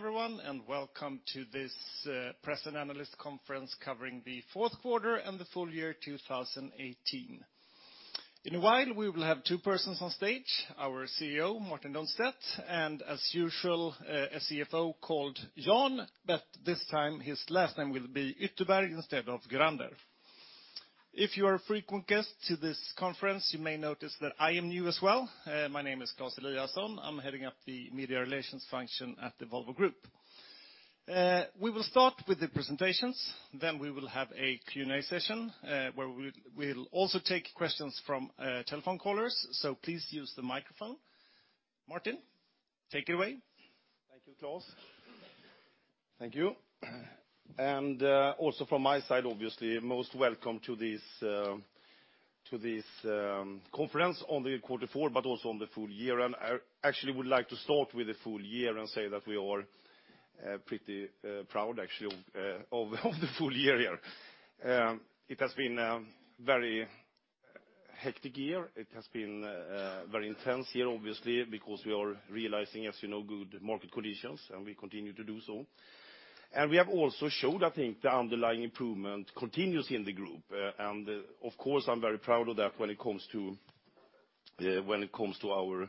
Morning everyone, welcome to this press and analyst conference covering the fourth quarter and the full year 2018. In a while, we will have two persons on stage, our CEO, Martin Lundstedt, and as usual, a CFO called Jan, but this time his last name will be Ytterberg instead of Gurander. If you are a frequent guest to this conference, you may notice that I am new as well. My name is Claes Eliasson. I am heading up the media relations function at the Volvo Group. We will start with the presentations. Then we will have a Q&A session, where we will also take questions from telephone callers. Please use the microphone. Martin, take it away. Thank you, Claes. Thank you. Also from my side, obviously, most welcome to this conference on the quarter four, but also on the full year. I actually would like to start with the full year and say that we are pretty proud, actually, of the full year here. It has been a very hectic year. It has been a very intense year, obviously, because we are realizing, as you know, good market conditions, and we continue to do so. We have also showed, I think, the underlying improvement continues in the group. Of course, I am very proud of that when it comes to our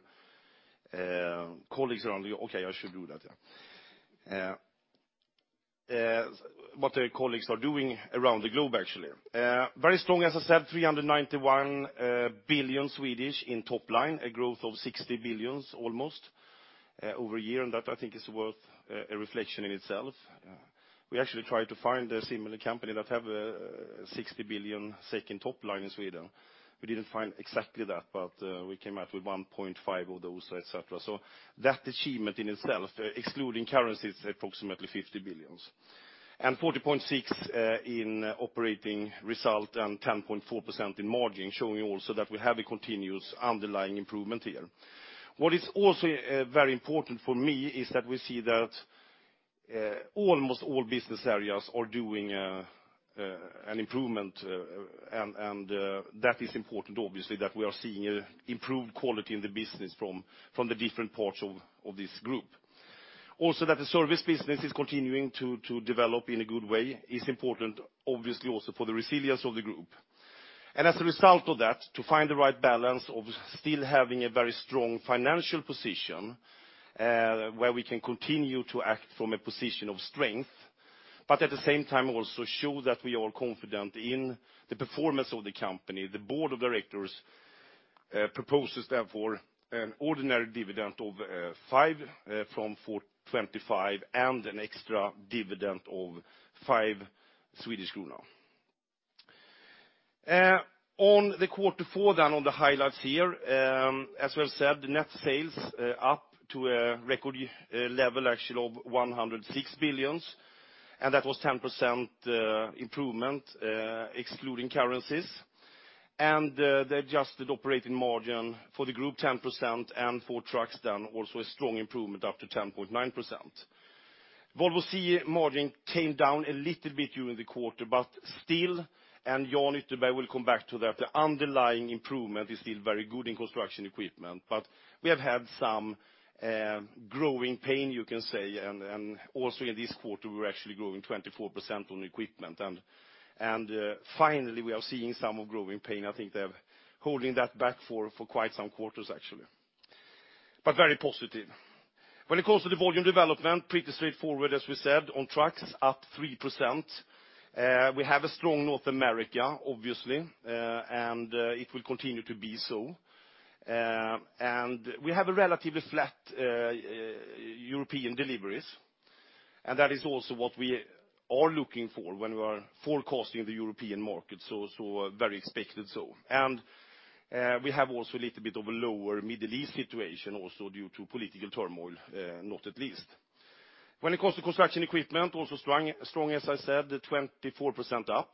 colleagues around the Okay, I should do that, yeah. What the colleagues are doing around the globe, actually. Very strong, as I said, 391 billion in top line, a growth of 60 billion almost, over a year. That I think is worth a reflection in itself. We actually tried to find a similar company that have a 60 billion second top line in Sweden. We did not find exactly that, but we came out with 1.5 of those, et cetera. That achievement in itself, excluding currencies, approximately 50 billion. 40.6 billion in operating result and 10.4% in margin, showing also that we have a continuous underlying improvement here. What is also very important for me is that we see that almost all business areas are doing an improvement. That is important, obviously, that we are seeing improved quality in the business from the different parts of this group. Also that the service business is continuing to develop in a good way is important, obviously also for the resilience of the group. As a result of that, to find the right balance of still having a very strong financial position, where we can continue to act from a position of strength, but at the same time also show that we are confident in the performance of the company. The Board of Directors proposes therefore an ordinary dividend of 5 from 4.25 and an extra dividend of 5 Swedish krona. On the quarter four, on the highlights here, as we have said, net sales up to a record level actually of 106 billion. That was 10% improvement, excluding currencies. The adjusted operating margin for the group 10% and for Trucks also a strong improvement up to 10.9%. Volvo CE margin came down a little bit during the quarter, still, Jan Ytterberg will come back to that, the underlying improvement is still very good in Construction Equipment. We have had some growing pain, you can say, also in this quarter, we are actually growing 24% on equipment. Finally, we are seeing some of growing pain. I think they are holding that back for quite some quarters, actually. Very positive. When it comes to the volume development, pretty straightforward as we said, on Trucks up 3%. We have a strong North America, obviously, and it will continue to be so. We have a relatively flat European deliveries. That is also what we are looking for when we are forecasting the European market, so very expected so. We have also a little bit of a lower Middle East situation also due to political turmoil, not at least. When it comes to Construction Equipment, also strong as I said, 24% up,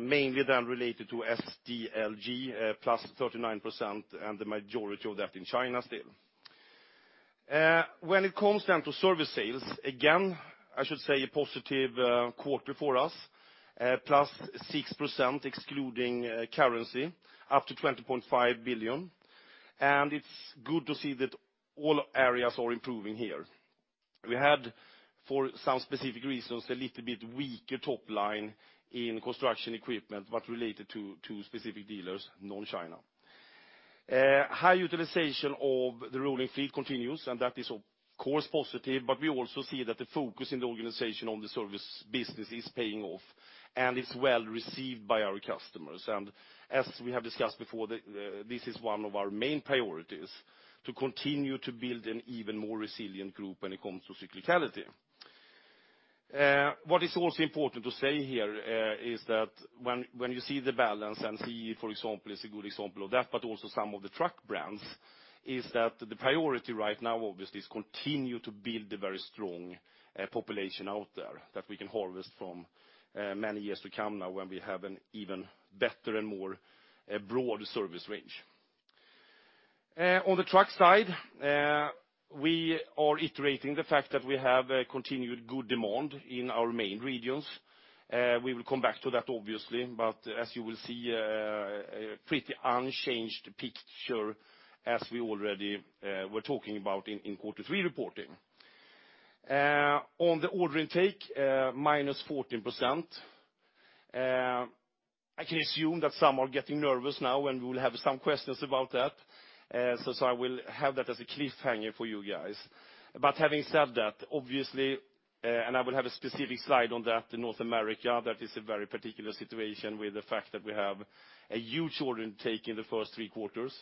mainly then related to SDLG, +39% and the majority of that in China still. When it comes then to service sales, again, I should say a positive quarter for us, +6% excluding currency, up to 20.5 billion. It is good to see that all areas are improving here. We had, for some specific reasons, a little bit weaker top line in construction equipment, but related to specific dealers, non-China. High utilization of the rolling fleet continues, that is of course positive, but we also see that the focus in the organization on the service business is paying off, and it is well received by our customers. As we have discussed before, this is one of our main priorities, to continue to build an even more resilient group when it comes to cyclicality. What is also important to say here is that when you see the balance and CE, for example, it's a good example of that, but also some of the truck brands, is that the priority right now obviously is continue to build a very strong population out there that we can harvest from many years to come now when we have an even better and more broad service range. On the Truck side, we are iterating the fact that we have a continued good demand in our main regions. We will come back to that obviously, but as you will see, a pretty unchanged picture as we already were talking about in quarter three reporting. On the order intake, -14%. I can assume that some are getting nervous now, we will have some questions about that. I will have that as a cliffhanger for you guys. Having said that, obviously, I will have a specific slide on that, North America, that is a very particular situation with the fact that we have a huge order intake in the first three quarters.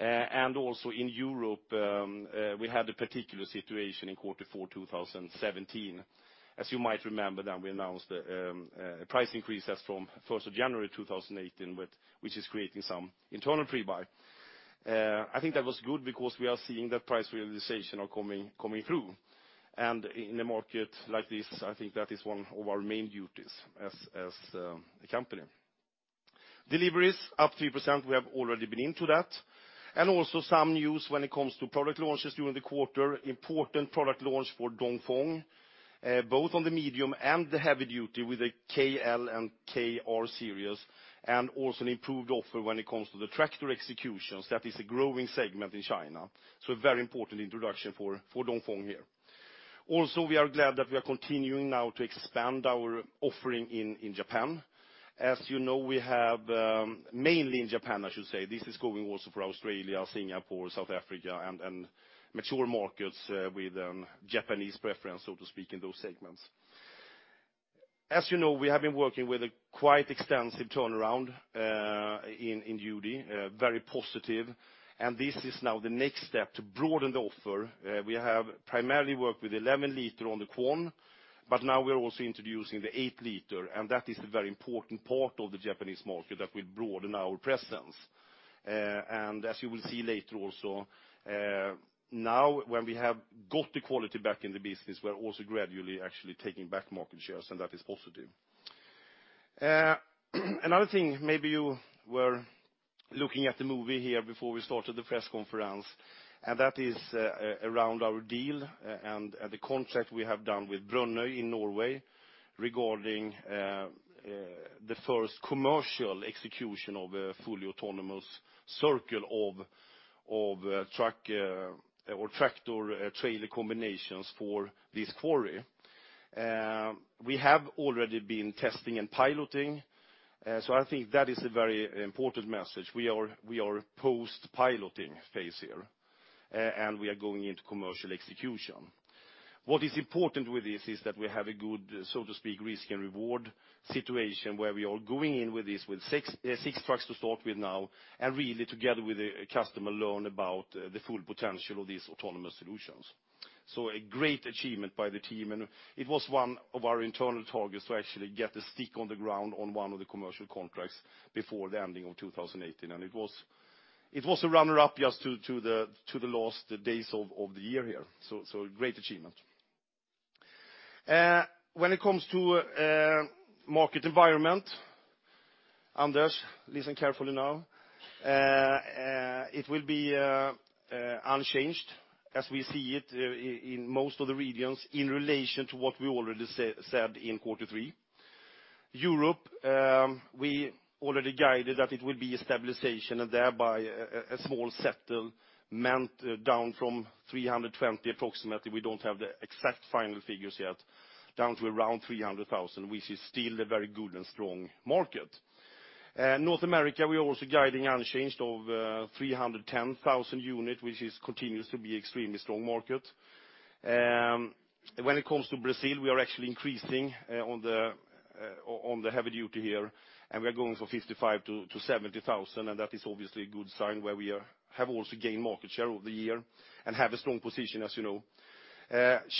Also in Europe, we had a particular situation in quarter four 2017. As you might remember, then we announced a price increase as from 1st of January 2018, which is creating some internal pre-buy. I think that was good because we are seeing that price realization are coming through. In a market like this, I think that is one of our main duties as a company. Deliveries up 3%, we have already been into that. Also some news when it comes to product launches during the quarter, important product launch for Dongfeng, both on the medium and the heavy duty with the KL and KR series, and also an improved offer when it comes to the tractor executions. That is a growing segment in China. A very important introduction for Dongfeng here. Also, we are glad that we are continuing now to expand our offering in Japan. Mainly in Japan, I should say, this is going also for Australia, Singapore, South Africa, and mature markets with Japanese preference, so to speak, in those segments. As you know, we have been working with a quite extensive turnaround in UD, very positive, and this is now the next step to broaden the offer. We have primarily worked with 11 liter on the Quon, but now we are also introducing the 8 liter, that is the very important part of the Japanese market that will broaden our presence. As you will see later also, now when we have got the quality back in the business, we are also gradually actually taking back market shares, that is positive. Another thing, maybe you were looking at the movie here before we started the press conference, that is around our deal and the contract we have done with Brønnøy in Norway regarding the first commercial execution of a fully autonomous circle of truck or tractor trailer combinations for this quarry. We have already been testing and piloting. I think that is a very important message. We are post-piloting phase here. We are going into commercial execution. What is important with this is that we have a good, so to speak, risk and reward situation where we are going in with this with six trucks to start with now, and really together with the customer, learn about the full potential of these autonomous solutions. A great achievement by the team, and it was one of our internal targets to actually get a stick on the ground on one of the commercial contracts before the ending of 2018. It was a runner-up just to the last days of the year here. Great achievement. When it comes to market environment, Anders, listen carefully now. It will be unchanged as we see it in most of the regions in relation to what we already said in quarter three. Europe, we already guided that it will be a stabilization and thereby a small settlement down from 320 approximately, we don't have the exact final figures yet, down to around 300,000, which is still a very good and strong market. North America, we are also guiding unchanged of 310,000 unit, which continues to be extremely strong market. When it comes to Brazil, we are actually increasing on the heavy duty here, and we are going from 55,000 to 70,000, and that is obviously a good sign where we have also gained market share over the year and have a strong position, as you know.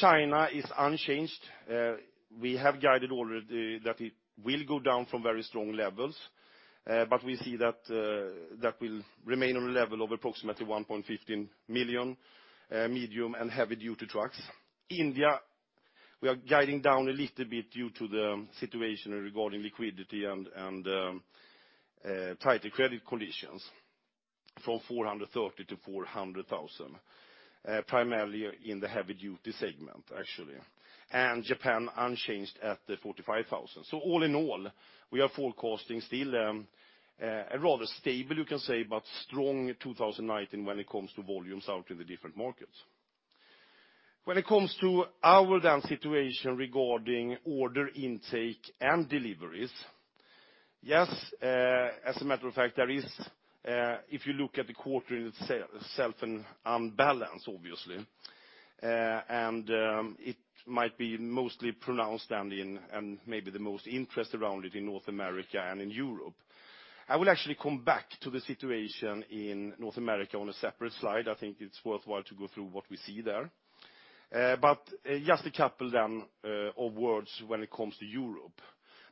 China is unchanged. We have guided already that it will go down from very strong levels, but we see that will remain on a level of approximately 1.15 million medium and heavy duty trucks. India, we are guiding down a little bit due to the situation regarding liquidity and tighter credit conditions from 430,000 to 400,000, primarily in the heavy-duty segment, actually. Japan unchanged at 45,000. All in all, we are forecasting still a rather stable, you can say, but strong 2019 when it comes to volumes out in the different markets. When it comes to our then situation regarding order intake and deliveries, yes, as a matter of fact, there is, if you look at the quarter in itself, an unbalance, obviously, and it might be mostly pronounced and maybe the most interest around it in North America and in Europe. I will actually come back to the situation in North America on a separate slide. I think it's worthwhile to go through what we see there. Just a couple then of words when it comes to Europe.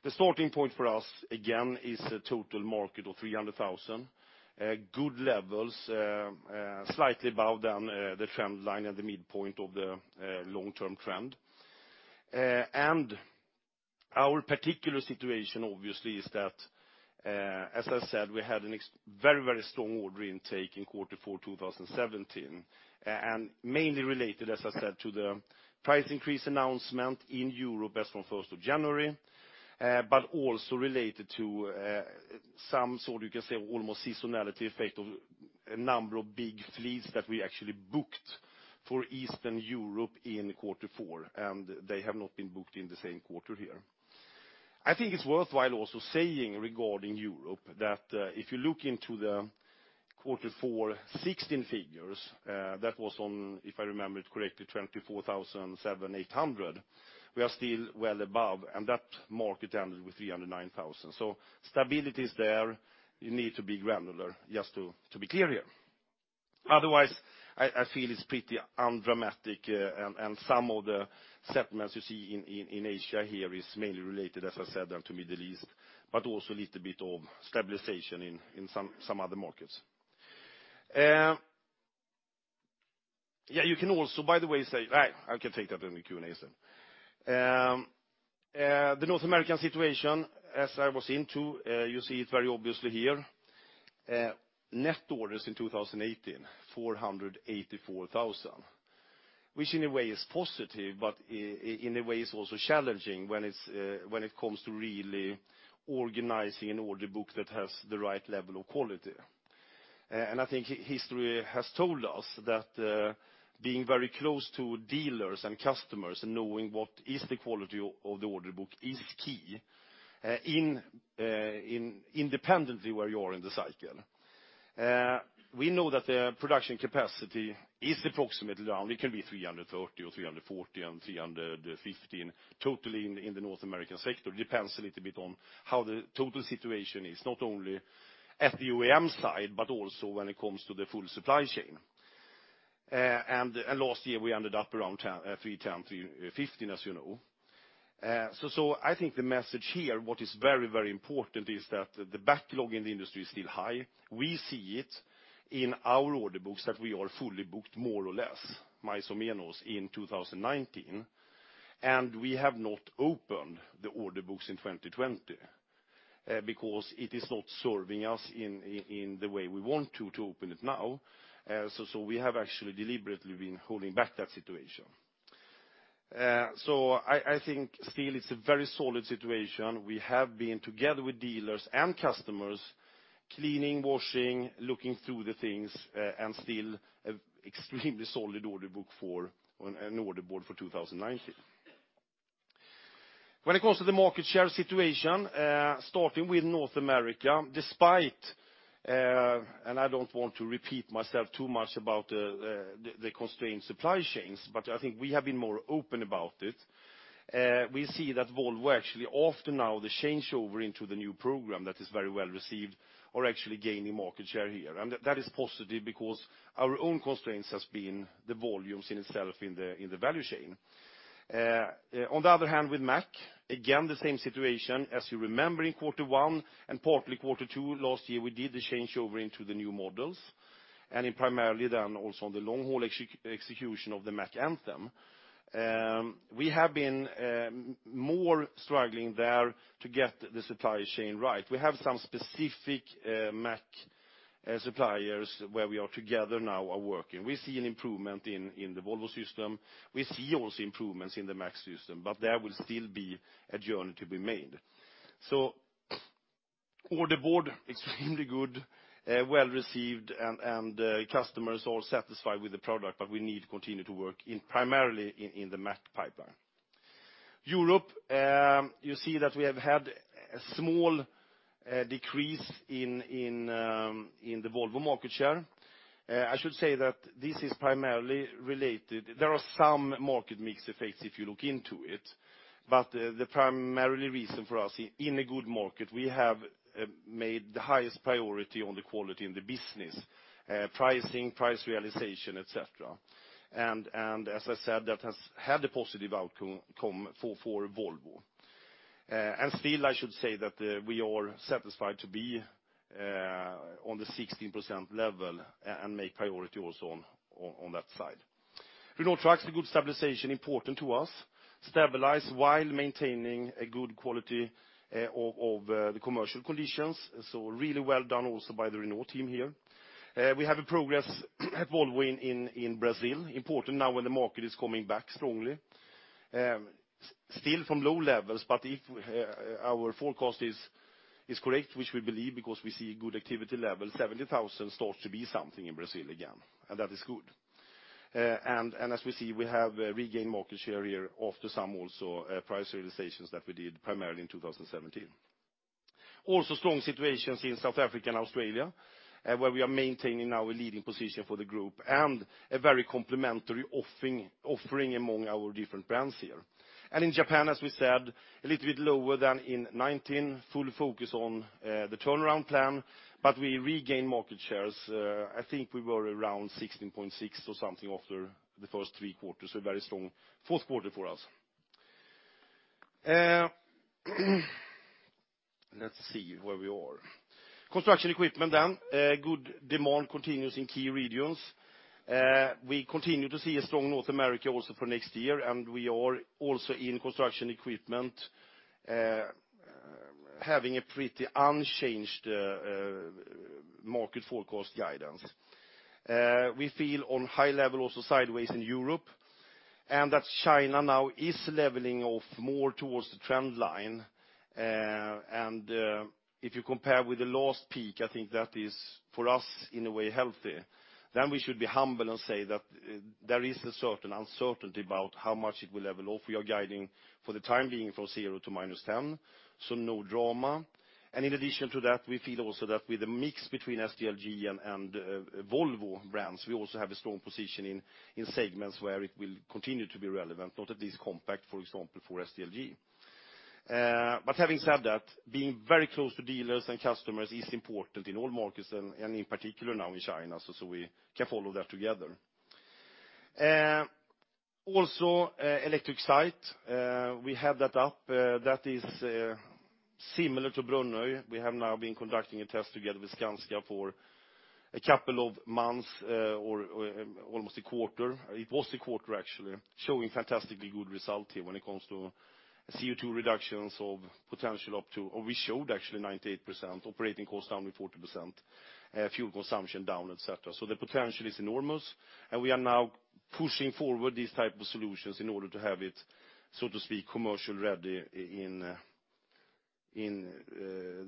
The starting point for us again is a total market of 300,000. Good levels, slightly above the trend line at the midpoint of the long-term trend. Our particular situation, obviously, is that as I said, we had a very strong order intake in Q4 2017, and mainly related, as I said, to the price increase announcement in Europe as from 1st of January but also related to some sort, you can say, almost seasonality effect of a number of big fleets that we actually booked for Eastern Europe in Q4, and they have not been booked in the same quarter here. I think it's worthwhile also saying regarding Europe, that if you look into the Q4 2016 figures, that was on, if I remember it correctly, 24,700, 24,800. We are still well above, That market ended with 309,000. Stability is there. You need to be granular just to be clear here. Otherwise, I feel it's pretty undramatic and some of the settlements you see in Asia here is mainly related, as I said, to Middle East, but also a little bit of stabilization in some other markets. You can also, by the way, say. I can take that in the Q&A session. The North American situation, as I was into, you see it very obviously here. Net orders in 2018, 484,000, which in a way is positive, but in a way is also challenging when it comes to really organizing an order book that has the right level of quality. I think history has told us that being very close to dealers and customers and knowing what is the quality of the order book is key independently where you are in the cycle. We know that the production capacity is approximately around, it can be 330,000 or 340,000 and 315,000 total in the North American sector. Depends a little bit on how the total situation is, not only at the OEM side, but also when it comes to the full supply chain. Last year we ended up around 310,000-315,000 as you know. I think the message here, what is very important is that the backlog in the industry is still high. We see it in our order books that we are fully booked more or less, mais ou menos, in 2019, and we have not opened the order books in 2020 because it is not serving us in the way we want to open it now. We have actually deliberately been holding back that situation. I think still it's a very solid situation. We have been together with dealers and customers, cleaning, washing, looking through the things, still extremely solid order book for an order board for 2019. When it comes to the market share situation, starting with North America, despite, I don't want to repeat myself too much about the constrained supply chains, I think we have been more open about it. We see that Volvo actually after now the changeover into the new program that is very well received are actually gaining market share here. That is positive because our own constraints has been the volumes in itself in the value chain. On the other hand, with Mack, again, the same situation, as you remember, in quarter one and partly quarter two last year, we did the changeover into the new models, and in primarily then also on the long haul execution of the Mack Anthem. We have been more struggling there to get the supply chain right. We have some specific Mack suppliers where we are together now working. We see an improvement in the Volvo system. We see also improvements in the Mack system, but there will still be a journey to be made. Order board, extremely good, well received and customers all satisfied with the product, but we need to continue to work primarily in the Mack pipeline. Europe, you see that we have had a small decrease in the Volvo market share. I should say that this is primarily related. There are some market mix effects if you look into it, but the primary reason for us in a good market, we have made the highest priority on the quality in the business, pricing, price realization, et cetera. As I said, that has had a positive outcome for Volvo. Still, I should say that we are satisfied to be on the 16% level and make priority also on that side. Renault Trucks, the good stabilization important to us. Stabilize while maintaining a good quality of the commercial conditions. Really well done also by the Renault team here. We have a progress at Volvo in Brazil, important now when the market is coming back strongly. Still from low levels, but if our forecast is correct, which we believe because we see good activity level, 70,000 starts to be something in Brazil again, that is good. As we see, we have regained market share here after some also price realizations that we did primarily in 2017. Also strong situations in South Africa and Australia, where we are maintaining our leading position for the group and a very complementary offering among our different brands here. In Japan, as we said, a little bit lower than in 2019. Full focus on the turnaround plan, but we regained market shares. I think we were around 16.6% or something after the first three quarters, very strong fourth quarter for us. Let's see where we are. Construction Equipment. Good demand continues in key regions. We continue to see a strong North America also for next year, we are also in Volvo Construction Equipment, having a pretty unchanged market forecast guidance. We feel on high level also sideways in Europe. China now is leveling off more towards the trend line. If you compare with the last peak, I think that is for us, in a way, healthier. We should be humble and say that there is a certain uncertainty about how much it will level off. We are guiding for the time being from 0% to -10%, no drama. In addition to that, we feel also that with a mix between SDLG and Volvo brands, we also have a strong position in segments where it will continue to be relevant, not at least compact, for example, for SDLG. Having said that, being very close to dealers and customers is important in all markets and in particular now in China, we can follow that together. Electric Site, we have that up. That is similar to Brønnøy. We have now been conducting a test together with Skanska for a couple of months or almost a quarter. It was a quarter actually, showing fantastically good result here when it comes to CO2 reductions of potential up to, or we showed actually 98%, operating cost down with 40%, fuel consumption down, et cetera. The potential is enormous, we are now pushing forward these type of solutions in order to have it, so to speak, commercial ready in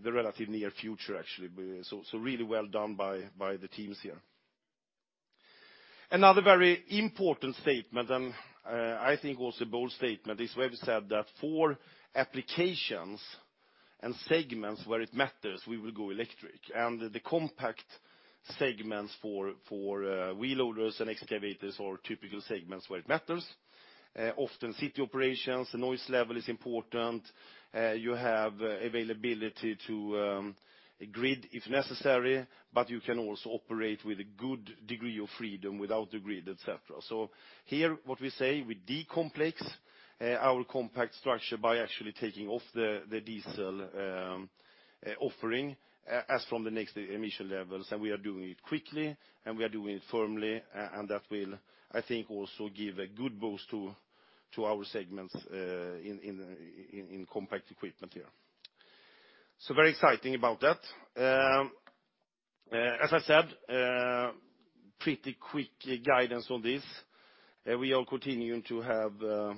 the relative near future, actually. Really well done by the teams here. Another very important statement, and I think also bold statement, is where we said that four applications and segments where it matters, we will go electric. The compact segments for wheel loaders and excavators are typical segments where it matters. Often city operations, the noise level is important. You have availability to grid if necessary, you can also operate with a good degree of freedom without the grid, et cetera. Here, what we say, we de-complex our compact structure by actually taking off the diesel offering as from the next emission levels, we are doing it quickly, we are doing it firmly, that will, I think, also give a good boost to our segments in compact equipment here. Very exciting about that. As I said, pretty quick guidance on this. We are continuing to have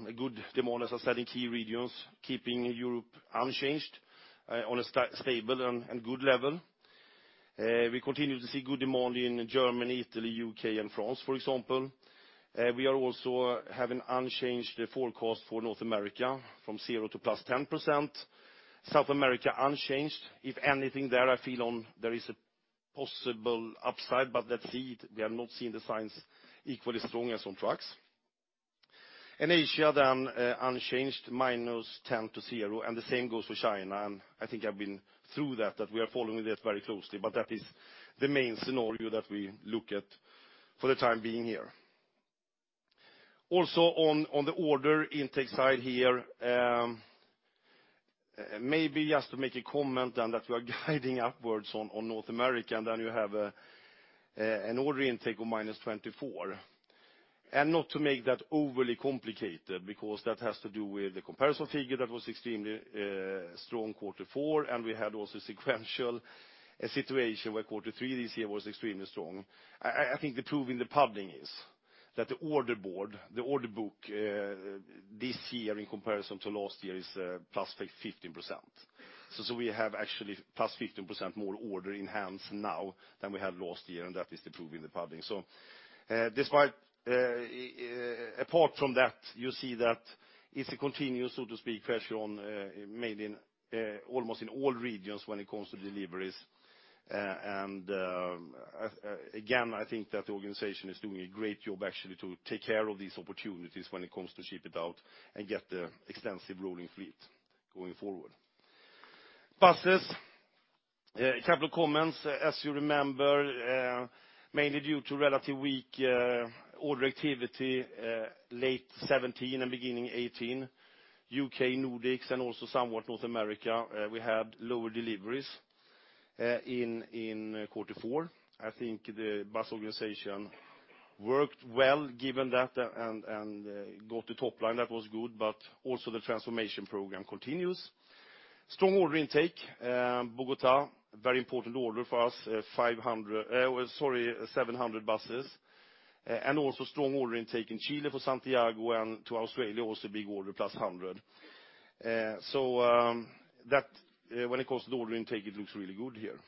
a good demand, as I said, in key regions, keeping Europe unchanged on a stable and good level. We continue to see good demand in Germany, Italy, U.K., France, for example. We are also having unchanged forecast for North America from 0% to +10%. South America unchanged. If anything there, I feel there is a possible upside, let's see. We are not seeing the signs equally strong as on trucks. In Asia, unchanged -10% to 0%, the same goes for China. I think I've been through that we are following that very closely, that is the main scenario that we look at for the time being here. On the order intake side here, maybe just to make a comment then that we are guiding upwards on North America, you have an order intake of -24%. Not to make that overly complicated, because that has to do with the comparison figure that was extremely strong quarter four, we had also sequential situation where quarter three this year was extremely strong. I think the proof in the pudding is that the order book this year in comparison to last year is +15%. We have actually +15% more order in hands now than we have last year, and that is the proof in the pudding. Apart from that, you see that it's a continuous, so to speak, pressure on mainly almost in all regions when it comes to deliveries. Again, I think that the organization is doing a great job actually to take care of these opportunities when it comes to ship it out and get the extensive rolling fleet going forward. Buses, a couple of comments. As you remember, mainly due to relative weak order activity late 2017 and beginning 2018, U.K., Nordics, and also somewhat North America, we had lower deliveries in quarter four. I think the bus organization worked well given that and got the top line. That was good, but also the transformation program continues. Strong order intake. Bogotá, very important order for us, 700 buses. Also strong order intake in Chile for Santiago and to Australia, also big order, +100. When it comes to order intake, it looks really good here.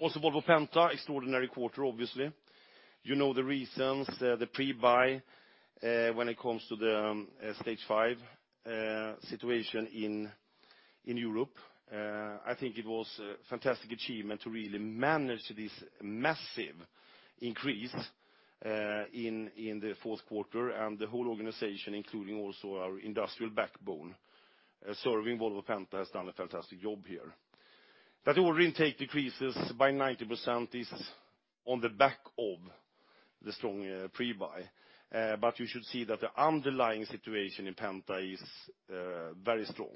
Volvo Penta, extraordinary quarter, obviously. You know the reasons, the pre-buy when it comes to the Stage V situation in Europe. I think it was a fantastic achievement to really manage this massive increase in the fourth quarter and the whole organization, including also our industrial backbone. Serving Volvo Penta has done a fantastic job here. That order intake decreases by 19% is on the back of the strong pre-buy. You should see that the underlying situation in Penta is very strong.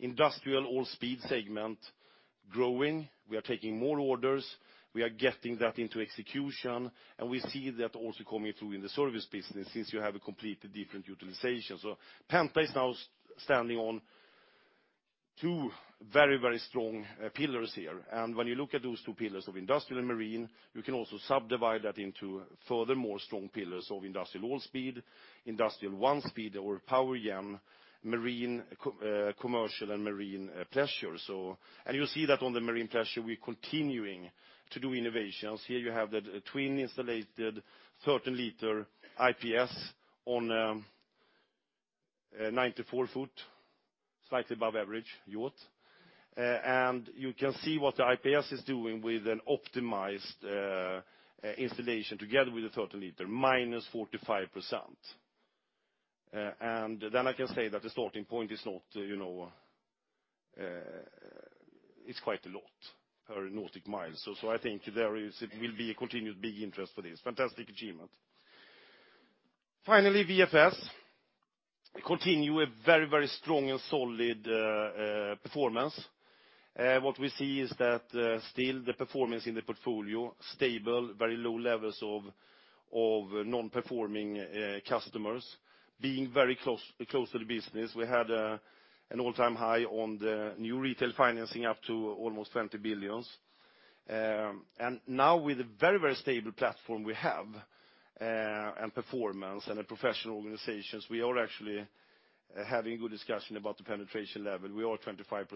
Industrial all speed segment growing. We are taking more orders. We are getting that into execution, and we see that also coming through in the service business since you have a completely different utilization. Penta is now standing on two very, very strong pillars here. When you look at those two pillars of industrial and marine, you can also subdivide that into furthermore strong pillars of industrial all speed, industrial one speed or power gen, marine commercial and marine pleasure. You'll see that on the marine pleasure, we're continuing to do innovations. Here you have the twin-installed liter IPS on a 94-foot, slightly above average yacht. You can see what the IPS is doing with an optimized installation together with the 30 liter, -45%. Then I can say that the starting point is quite a lot per nautical mile. I think there will be a continued big interest for this. Fantastic achievement. Finally, VFS continue a very, very strong and solid performance. What we see is that still the performance in the portfolio, stable, very low levels of non-performing customers, being very close to the business. We had an all-time high on the new retail financing up to almost 20 billion. Now with a very, very stable platform we have, and performance, and professional organizations, we are actually having good discussion about the penetration level. We are 25%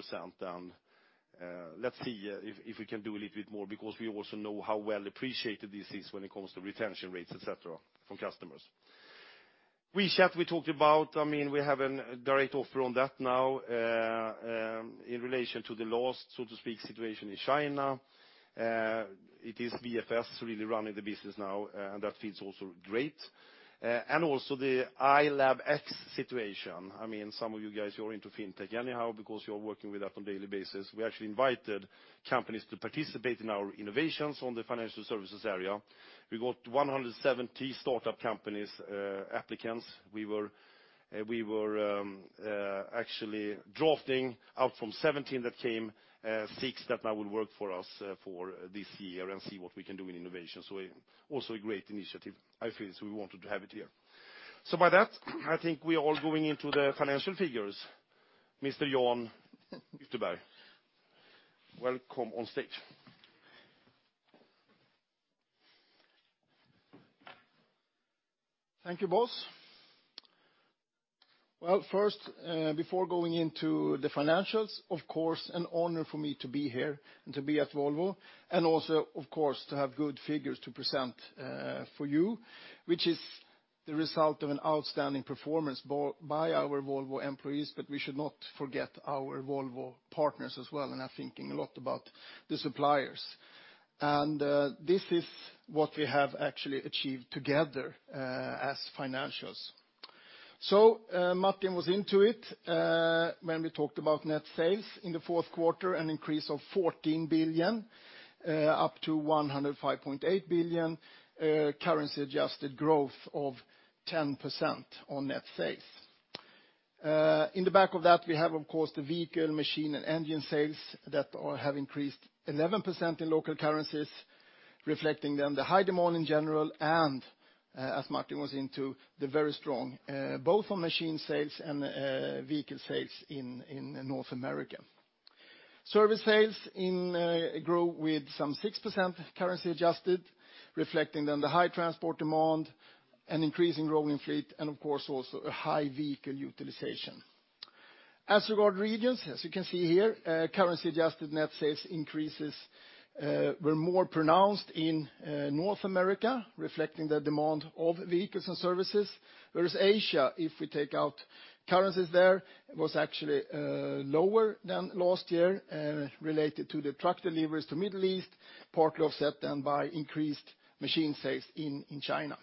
down. Let's see if we can do a little bit more, because we also know how well appreciated this is when it comes to retention rates, et cetera, from customers. WeChat, we talked about. We have a direct offer on that now in relation to the lost, so to speak, situation in China. It is VFS really running the business now, that feels also great. Also the iLabX situation. Some of you guys, you're into fintech anyhow because you're working with that on daily basis. We actually invited companies to participate in our innovations on the financial services area. We got 170 startup companies, applicants. We were actually drafting out from 17 that came, six that now will work for us for this year and see what we can do in innovation. Also a great initiative, I feel, so we wanted to have it here. With that, I think we are all going into the financial figures. Mr. Jan Ytterberg, welcome on stage. Thank you, boss. Well, first, before going into the financials, of course, an honor for me to be here and to be at Volvo, and also, of course, to have good figures to present for you, which is the result of an outstanding performance by our Volvo employees, but we should not forget our Volvo partners as well, and I'm thinking a lot about the suppliers. This is what we have actually achieved together as financials. Martin was into it when we talked about net sales in the fourth quarter, an increase of 14 billion, up to 105.8 billion, currency adjusted growth of 10% on net sales. In the back of that, we have, of course, the vehicle, machine, and engine sales that have increased 11% in local currencies, reflecting then the high demand in general and, as Martin was into, the very strong, both on machine sales and vehicle sales in North America. Service sales grew with some 6% currency adjusted, reflecting then the high transport demand, an increasing growing fleet, and of course, also a high vehicle utilization. As regard regions, as you can see here, currency adjusted net sales increases were more pronounced in North America, reflecting the demand of vehicles and services. Whereas Asia, if we take out currencies there, was actually lower than last year, related to the truck deliveries to Middle East, partly offset then by increased machine sales in China.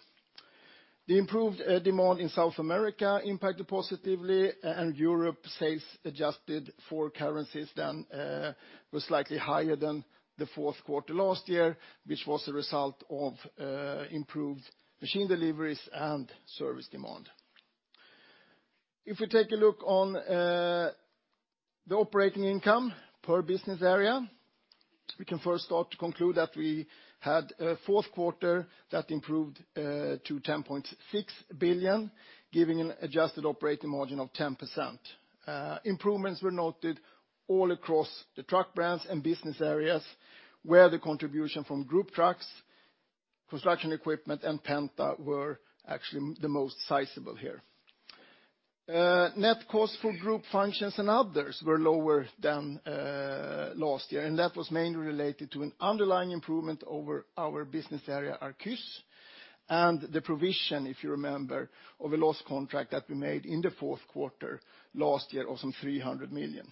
The improved demand in South America impacted positively, and Europe sales adjusted for currencies then was slightly higher than the fourth quarter last year, which was a result of improved machine deliveries and service demand. If we take a look on the operating income per business area, we can first start to conclude that we had a fourth quarter that improved to 10.6 billion, giving an adjusted operating margin of 10%. Improvements were noted all across the truck brands and business areas, where the contribution from Group Trucks, Construction Equipment, and Penta were actually the most sizable here. Net cost for group functions and others were lower than last year, and that was mainly related to an underlying improvement over our business area, Arquus, and the provision, if you remember, of a lost contract that we made in the fourth quarter last year of some 300 million.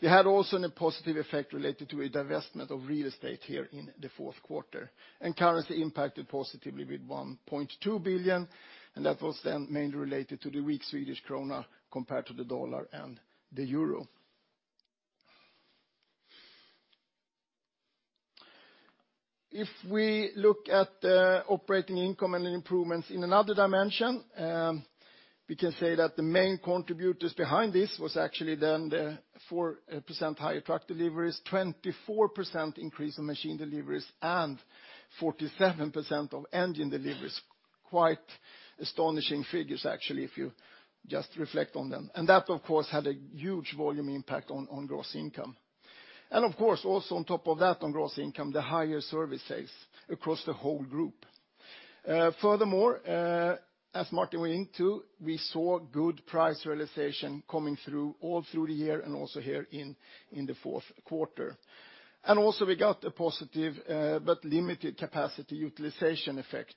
We had also a positive effect related to a divestment of real estate here in the fourth quarter. Currency impacted positively with 1.2 billion, that was then mainly related to the weak Swedish krona compared to the US dollar and the euro. If we look at operating income and improvements in another dimension, we can say that the main contributors behind this was actually then the 4% higher truck deliveries, 24% increase in machine deliveries, and 47% of engine deliveries. Quite astonishing figures, actually, reflect on them. That, of course, had a huge volume impact on gross income. Of course, also on top of that, on gross income, the higher service sales across the whole group. Furthermore, as Martin went into, we saw good price realization coming through all through the year and also here in the fourth quarter. Also we got a positive but limited capacity utilization effect,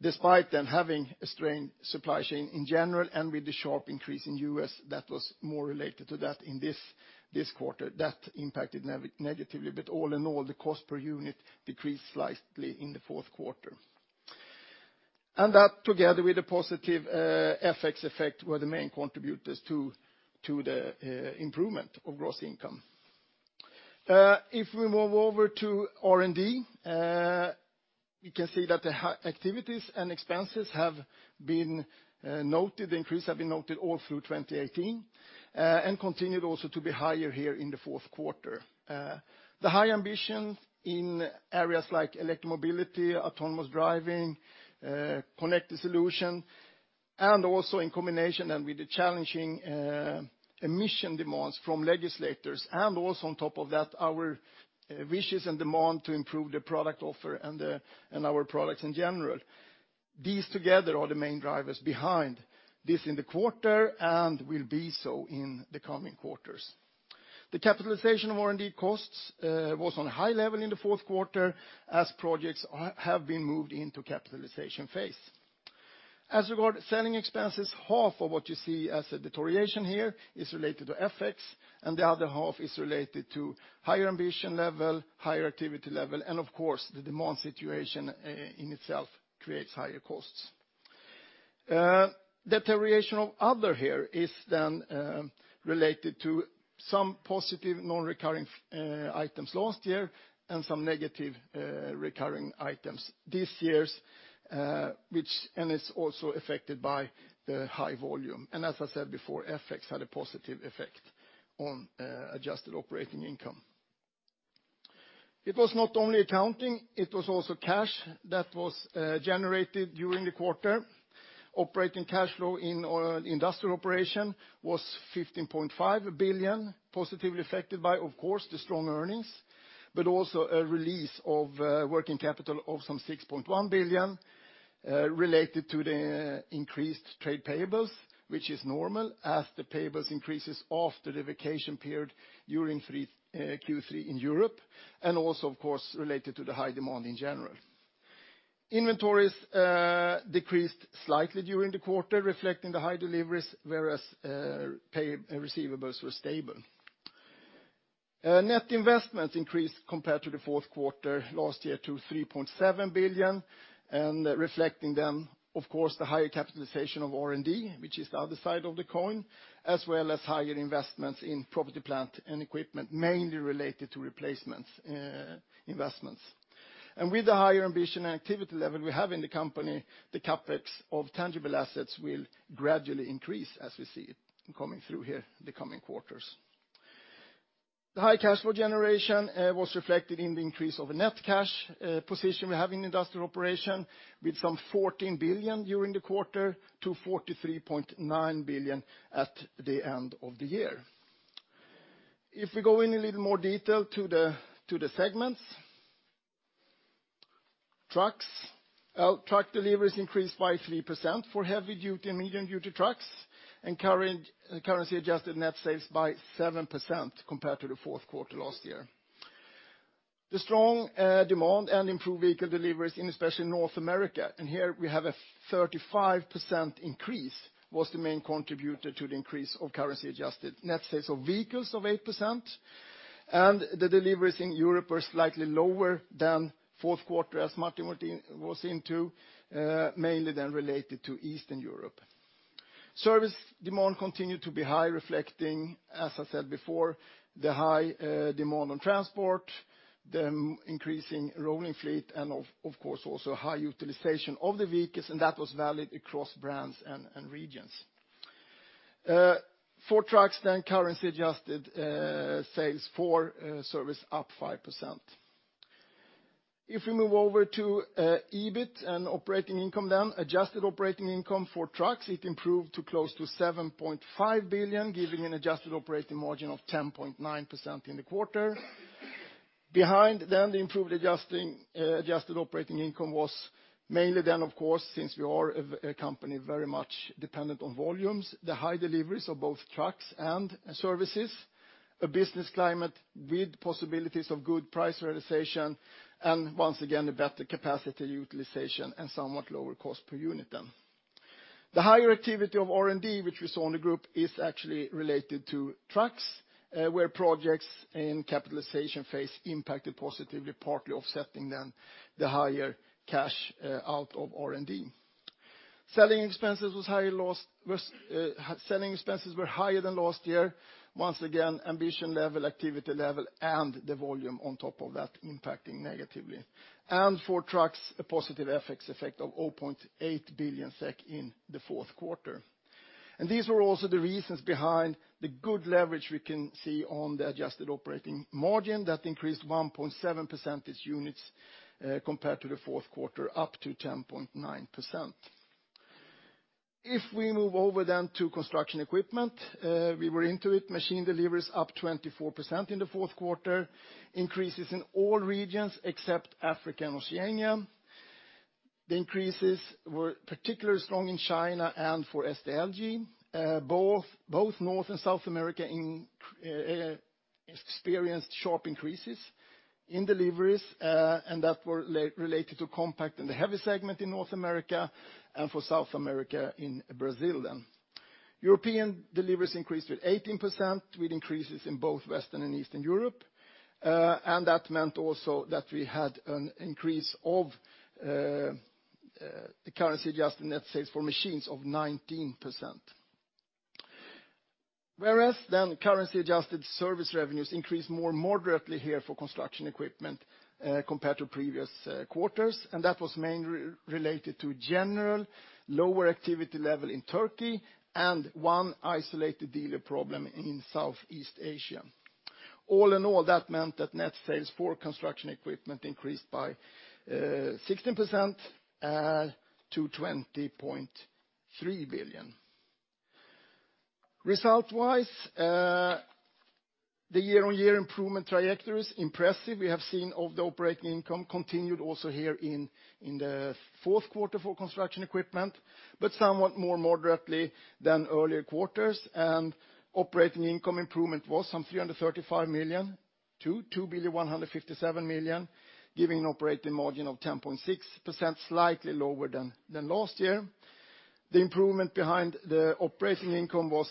despite then having a strained supply chain in general, and with the sharp increase in U.S., that was more related to that in this quarter. That impacted negatively, all in all, the cost per unit decreased slightly in the fourth quarter. That, together with a positive FX effect, were the main contributors to the improvement of gross income. If we move over to R&D, you can see that the activities and expenses have been noted, increases have been noted all through 2018, continued also to be higher here in the fourth quarter. The high ambitions in areas like electric mobility, autonomous driving, connected solution, and also in combination and with the challenging emission demands from legislators, and also on top of that, our wishes and demand to improve the product offer and our products in general. These together are the main drivers behind this in the quarter and will be so in the coming quarters. The capitalization of R&D costs was on a high level in the fourth quarter as projects have been moved into capitalization phase. As regard selling expenses, half of what you see as a deterioration here is related to FX, the other half is related to higher ambition level, higher activity level, and of course, the demand situation in itself creates higher costs. Deterioration of other here is then related to some positive non-recurring items last year and some negative recurring items this year, it's also affected by the high volume. As I said before, FX had a positive effect on adjusted operating income. It was not only accounting, it was also cash that was generated during the quarter. Operating cash flow in our industrial operation was 15.5 billion, positively affected by, of course, the strong earnings, but also a release of working capital of some 6.1 billion related to the increased trade payables, which is normal, as the payables increases after the vacation period during Q3 in Europe, and also, of course, related to the high demand in general. Inventories decreased slightly during the quarter, reflecting the high deliveries, whereas pay and receivables were stable. Net investments increased compared to the fourth quarter last year to 3.7 billion reflecting then, of course, the higher capitalization of R&D, which is the other side of the coin, as well as higher investments in property, plant, and equipment, mainly related to replacements investments. With the higher ambition and activity level we have in the company, the CapEx of tangible assets will gradually increase as we see it coming through here the coming quarters. The high cash flow generation was reflected in the increase of net cash position we have in industrial operation with some 14 billion during the quarter to 43.9 billion at the end of the year. We go in a little more detail to the segments. Trucks. Truck deliveries increased by 3% for heavy-duty and medium-duty trucks and currency adjusted net sales by 7% compared to the fourth quarter last year. The strong demand and improved vehicle deliveries in especially North America, and here we have a 35% increase, was the main contributor to the increase of currency adjusted net sales of vehicles of 8%, and the deliveries in Europe were slightly lower than fourth quarter, as Martin was into, mainly related to Eastern Europe. Service demand continued to be high, reflecting, as I said before, the high demand on transport, the increasing rolling fleet, and of course, also high utilization of the vehicles, and that was valid across brands and regions. For Trucks then currency adjusted sales for service up 5%. We move over to EBIT and operating income then, adjusted operating income for trucks, it improved to close to 7.5 billion, giving an adjusted operating margin of 10.9% in the quarter. Behind the improved adjusted operating income was mainly, of course, since we are a company very much dependent on volumes, the high deliveries of both trucks and services, a business climate with possibilities of good price realization, and once again, a better capacity utilization and somewhat lower cost per unit. The higher activity of R&D, which we saw on the group, is actually related to trucks, where projects in capitalization phase impacted positively, partly offsetting the higher cash out of R&D. Selling expenses were higher than last year. Once again, ambition level, activity level, and the volume on top of that impacting negatively. For Trucks, a positive FX effect of 0.8 billion SEK in the fourth quarter. These were also the reasons behind the good leverage we can see on the adjusted operating margin. That increased 1.7 percentage units compared to the fourth quarter, up to 10.9%. We move over to Construction Equipment, we were into it. Machine deliveries up 24% in the fourth quarter, increases in all regions except Africa and Oceania. The increases were particularly strong in China and for SDLG. Both North and South America experienced sharp increases in deliveries, and that were related to compact in the heavy segment in North America, and for South America in Brazil. European deliveries increased with 18%, with increases in both Western and Eastern Europe. That meant also that we had an increase of the currency-adjusted net sales for machines of 19%. Whereas currency-adjusted service revenues increased more moderately here for Construction Equipment compared to previous quarters. That was mainly related to general lower activity level in Turkey and one isolated dealer problem in Southeast Asia. All in all, that meant that net sales for Construction Equipment increased by 16% to SEK 20.3 billion. Result-wise, the year-on-year improvement trajectory is impressive. We have seen the operating income continued also here in the fourth quarter for Construction Equipment, but somewhat more moderately than earlier quarters. Operating income improvement was some 335 million to 2,157 million, giving an operating margin of 10.6%, slightly lower than last year. The improvement behind the operating income was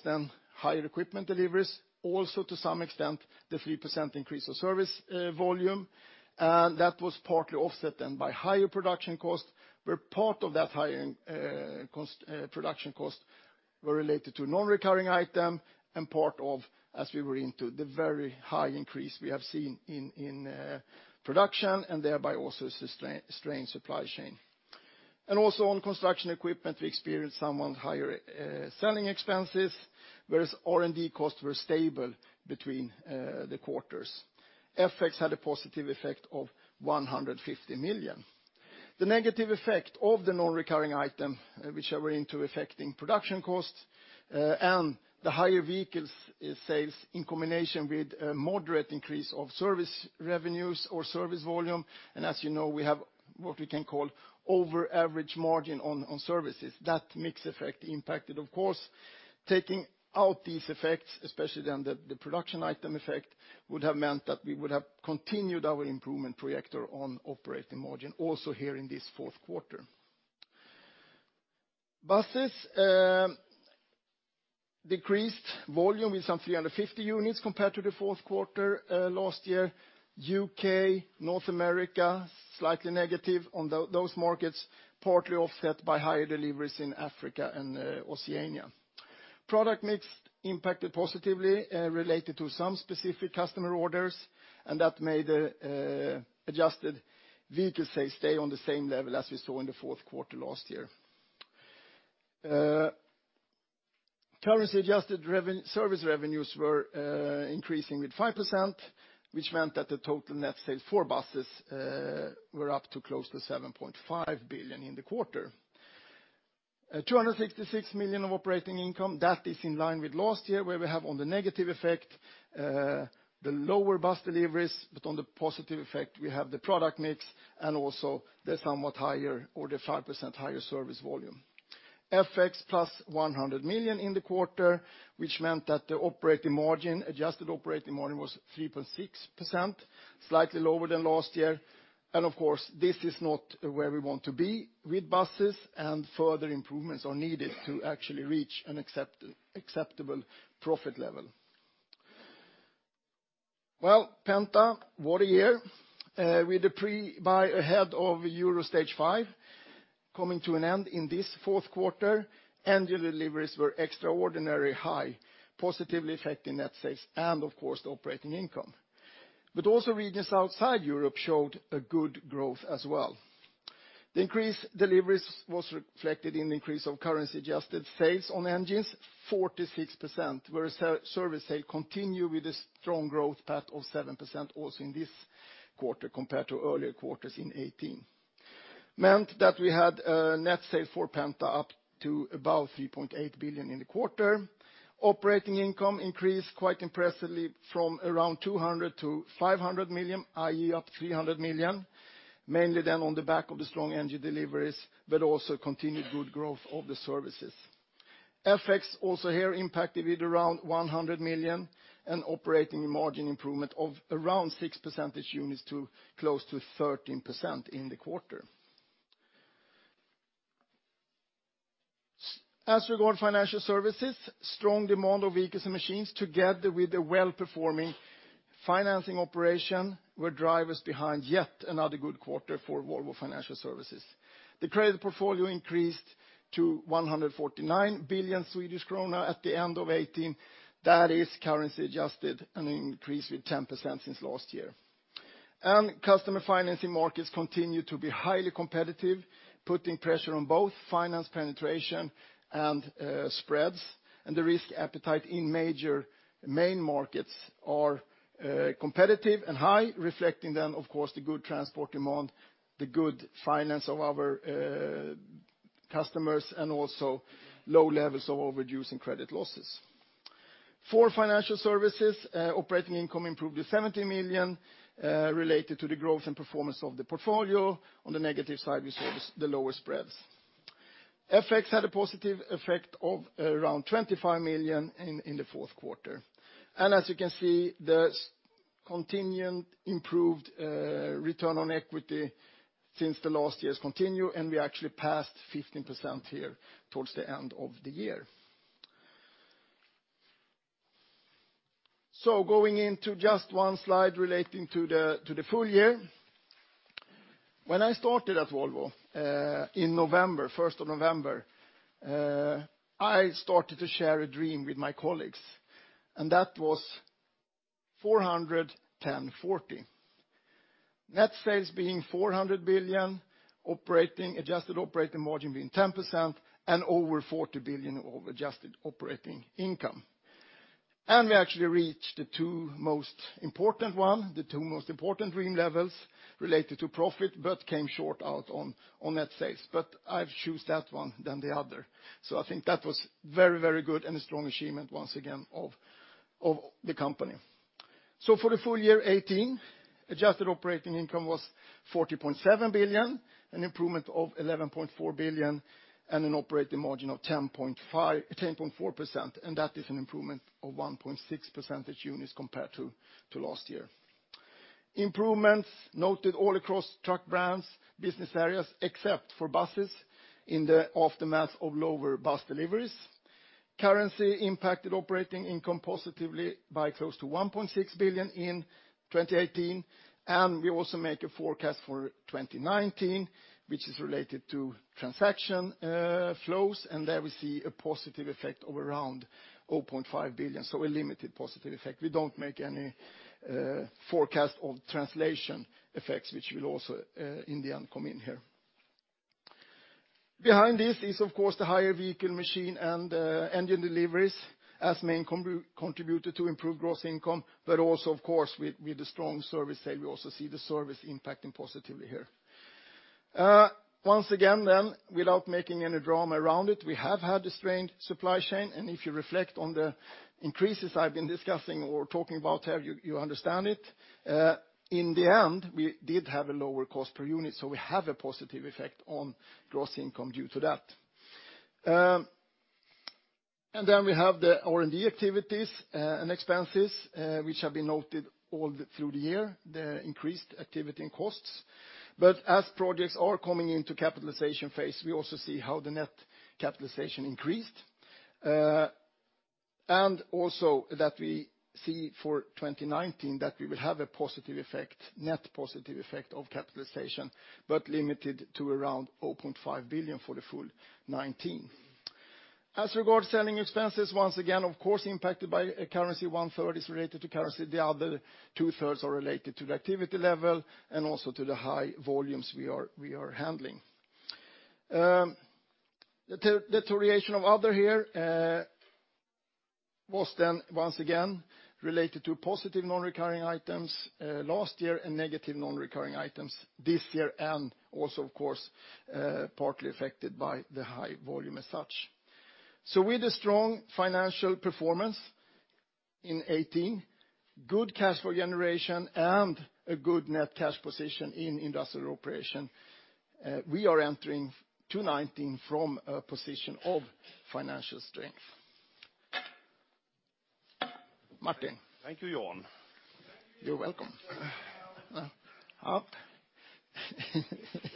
higher equipment deliveries. Also, to some extent, the 3% increase of service volume. That was partly offset by higher production cost, where part of that higher production cost were related to non-recurring item, and part of, as we were into, the very high increase we have seen in production and thereby also a strained supply chain. Also on Construction Equipment, we experienced somewhat higher selling expenses, whereas R&D costs were stable between the quarters. FX had a positive effect of 150 million. The negative effect of the non-recurring item, which are into affecting production costs and the higher vehicle sales in combination with a moderate increase of service revenues or service volume. As you know, we have what we can call over average margin on services. That mix effect impacted, of course. Taking out these effects, especially the production item effect, would have meant that we would have continued our improvement trajectory on operating margin also here in this fourth quarter. Buses decreased volume with some 350 units compared to the fourth quarter last year. U.K., North America, slightly negative on those markets, partly offset by higher deliveries in Africa and Oceania. Product mix impacted positively related to some specific customer orders. That made the adjusted vehicle stay on the same level as we saw in the fourth quarter last year. Currency-adjusted service revenues were increasing with 5%, which meant that the total net sales for buses were up to close to 7.5 billion in the quarter. 266 million of operating income, that is in line with last year, where we have on the negative effect, the lower bus deliveries, but on the positive effect, we have the product mix and also the somewhat higher or the 5% higher service volume. FX +100 million in the quarter, which meant that the operating margin, adjusted operating margin, was 3.6%, slightly lower than last year. Of course, this is not where we want to be with buses, and further improvements are needed to actually reach an acceptable profit level. Well, Penta, what a year. With the pre-buy ahead of Euro Stage V coming to an end in this fourth quarter, engine deliveries were extraordinarily high, positively affecting net sales and of course the operating income. Also regions outside Europe showed a good growth as well. The increased deliveries was reflected in the increase of currency-adjusted sales on engines, 46%, whereas service sales continued with a strong growth path of 7% also in this quarter compared to earlier quarters in 2018. Meant that we had net sales for Penta up to about 3.8 billion in the quarter. Operating income increased quite impressively from around 200 million to 500 million, i.e., up 300 million, mainly on the back of the strong engine deliveries, but also continued good growth of the services. FX also here impacted with around 100 million and operating margin improvement of around 6 percentage units to close to 13% in the quarter. As regard financial services, strong demand of vehicles and machines together with a well-performing financing operation were drivers behind yet another good quarter for Volvo Financial Services. The credit portfolio increased to 149 billion Swedish krona at the end of 2018. That is currency adjusted, an increase with 10% since last year. Customer financing markets continue to be highly competitive, putting pressure on both finance penetration and spreads. The risk appetite in major main markets are competitive and high, reflecting, of course, the good transport demand, the good finance of our customers, and also low levels of overdue and credit losses. For financial services, operating income improved to 70 million, related to the growth and performance of the portfolio. On the negative side, we saw the lower spreads. FX had a positive effect of around 25 million in the fourth quarter. As you can see, the continuing improved return on equity since the last years continue, and we actually passed 15% here towards the end of the year. Going into just one slide relating to the full year. When I started at Volvo in the 1st of November, I started to share a dream with my colleagues, and that was 400 10 40. Net sales being 400 billion, adjusted operating margin being 10%, and over 40 billion of adjusted operating income. We actually reached the two most important ones, the two most important dream levels related to profit, but came short out on net sales. I would choose that one than the other. I think that was very good and a strong achievement, once again, of the company. For the full year 2018, adjusted operating income was 40.7 billion, an improvement of 11.4 billion, and an operating margin of 10.4%, and that is an improvement of 1.6 percentage units compared to last year. Improvements noted all across truck brands, business areas, except for buses in the aftermath of lower bus deliveries. Currency impacted operating income positively by close to 1.6 billion in 2018, and we also make a forecast for 2019, which is related to transaction flows, and there we see a positive effect of around 0.5 billion. A limited positive effect. We don't make any forecast of translation effects, which will also in the end come in here. Behind this is, of course, the higher vehicle, machine, and engine deliveries as main contributor to improved gross income, but also of course, with the strong service side, we also see the service impacting positively here. Once again, then, without making any drama around it, we have had a strained supply chain, and if you reflect on the increases I've been discussing or talking about here, you understand it. In the end, we did have a lower cost per unit, so we have a positive effect on gross income due to that. Then we have the R&D activities and expenses, which have been noted all through the year, the increased activity and costs. As projects are coming into capitalization phase, we also see how the net capitalization increased. Also, that we see for 2019 that we will have a net positive effect of capitalization but limited to around 0.5 billion for the full 2019. As regards selling expenses, once again, of course impacted by currency, 1/3 is related to currency. The other 2/3 are related to the activity level and also to the high volumes we are handling. The deterioration of other here was once again related to positive non-recurring items last year and negative non-recurring items this year, and also of course partly affected by the high volume as such. With a strong financial performance in 2018, good cash flow generation, and a good net cash position in industrial operation, we are entering 2019 from a position of financial strength. Martin? Thank you, Jan. You're welcome.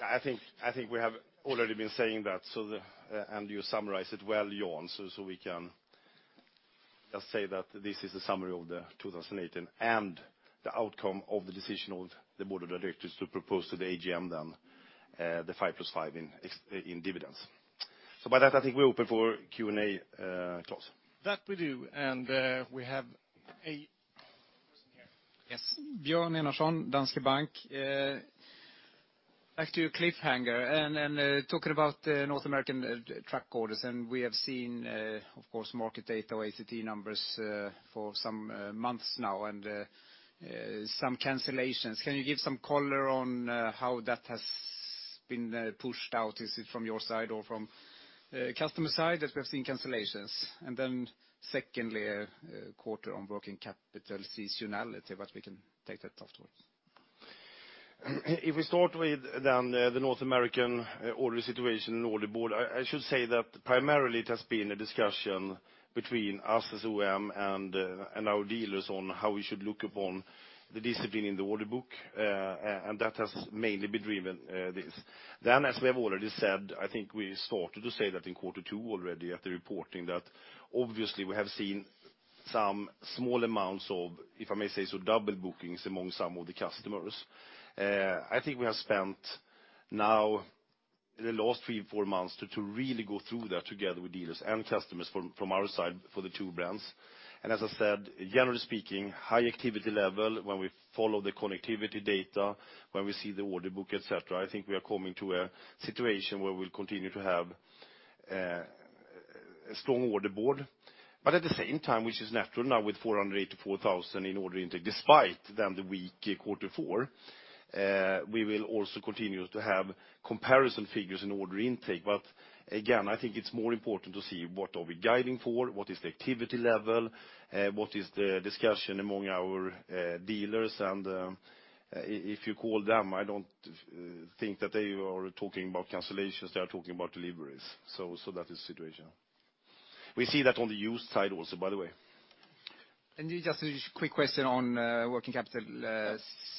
I think we have already been saying that, you summarized it well, Jan, we can just say that this is a summary of the 2018 and the outcome of the decision of the Board of Directors to propose to the AGM, the 5.00 + 5.00 in dividends. By that, I think we're open for Q&A, Claes. That we do, and we have a person here. Yes. Björn Enarson, Danske Bank. Back to your cliffhanger and talking about the North American truck orders, and we have seen, of course, market data or ACT numbers for some months now and some cancellations. Can you give some color on how that has been pushed out? Is it from your side or from customer side that we have seen cancellations? Secondly, a quarter on working capital seasonality, we can take that afterwards. If we start with the North American order situation and order book, I should say that primarily it has been a discussion between us as OEM and our dealers on how we should look upon the discipline in the order book, and that has mainly driven this. As we have already said, I think we started to say that in quarter two already at the reporting, that obviously we have seen some small amounts of, if I may say so, double bookings among some of the customers. I think we have spent now in the last three, four months to really go through that together with dealers and customers from our side for the two brands. As I said, generally speaking, high activity level when we follow the connectivity data, when we see the order book, et cetera. I think we are coming to a situation where we'll continue to have a strong order board. At the same time, which is natural now with 484,000 in order intake, despite then the weak quarter four, we will also continue to have comparison figures in order intake. Again, I think it's more important to see what are we guiding for, what is the activity level, what is the discussion among our dealers, and if you call them, I don't think that they are talking about cancellations, they are talking about deliveries. That is the situation. We see that on the used side also, by the way. Just a quick question on working capital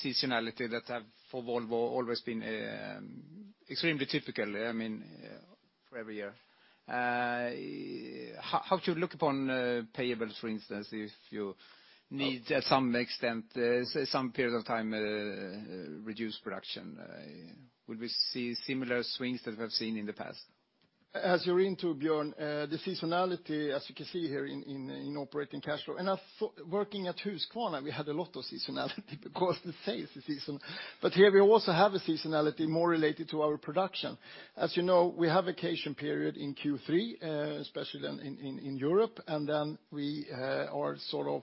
seasonality that have for Volvo always been extremely typical every year. How do you look upon payables, for instance, if you need, at some extent, some period of time, reduced production? Will we see similar swings that we have seen in the past? As you're into, Björn, the seasonality, as you can see here in operating cash flow. Working at Husqvarna, we had a lot of seasonality because the sales is seasonal. Here we also have a seasonality more related to our production. As you know, we have vacation period in Q3, especially then in Europe. Then we are sort of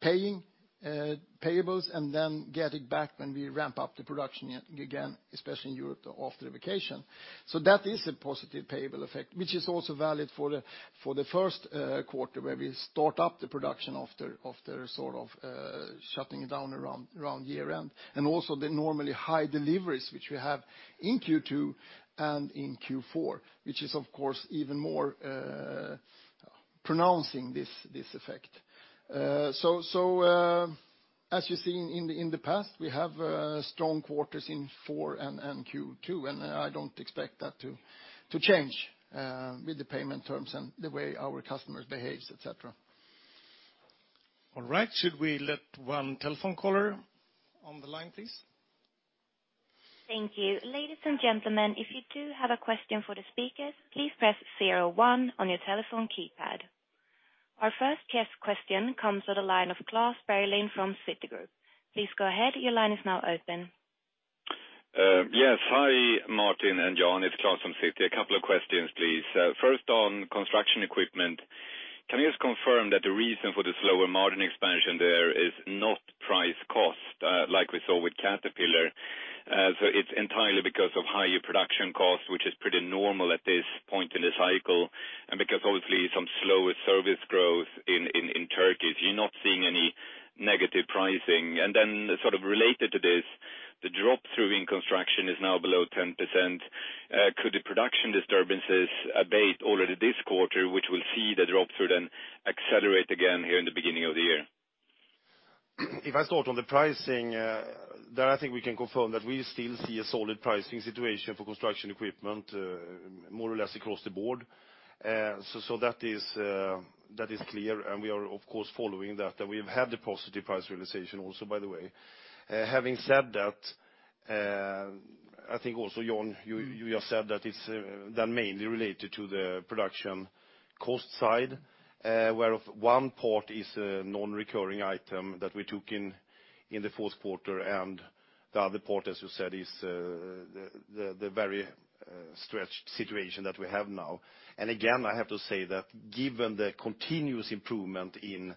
paying payables and then get it back when we ramp up the production again, especially in Europe after vacation. That is a positive payable effect, which is also valid for the first quarter, where we start up the production after sort of shutting it down around year-end. Also the normally high deliveries, which we have in Q2 and in Q4, which is, of course, even more pronouncing this effect. As you've seen in the past, we have strong quarters in Q4 and in Q2, and I don't expect that to change with the payment terms and the way our customers behaves, et cetera. All right. Should we let one telephone caller on the line, please? Thank you. Ladies and gentlemen, if you do have a question for the speakers, please press 01 on your telephone keypad. Our first guest question comes to the line of Klas Bergelind from Citigroup. Please go ahead. Your line is now open. Yes. Hi, Martin and Jan, it's Klas from Citi. A couple of questions, please. First on Construction Equipment, can you just confirm that the reason for the slower margin expansion there is not price cost, like we saw with Caterpillar? It's entirely because of higher production cost, which is pretty normal at this point in the cycle, and because obviously some slower service growth in Turkey, you're not seeing any negative pricing. Sort of related to this, the drop-through in construction is now below 10%. Could the production disturbances abate already this quarter, which will see the drop-through then accelerate again here in the beginning of the year? If I start on the pricing, then I think we can confirm that we still see a solid pricing situation for construction equipment, more or less across the board. That is clear, and we are of course following that. We've had the positive price realization also, by the way. Having said that, I think also, Jan, you just said that it's mainly related to the production cost side, where one part is a non-recurring item that we took in the fourth quarter, and the other part, as you said, is the very stretched situation that we have now. Again, I have to say that given the continuous improvement in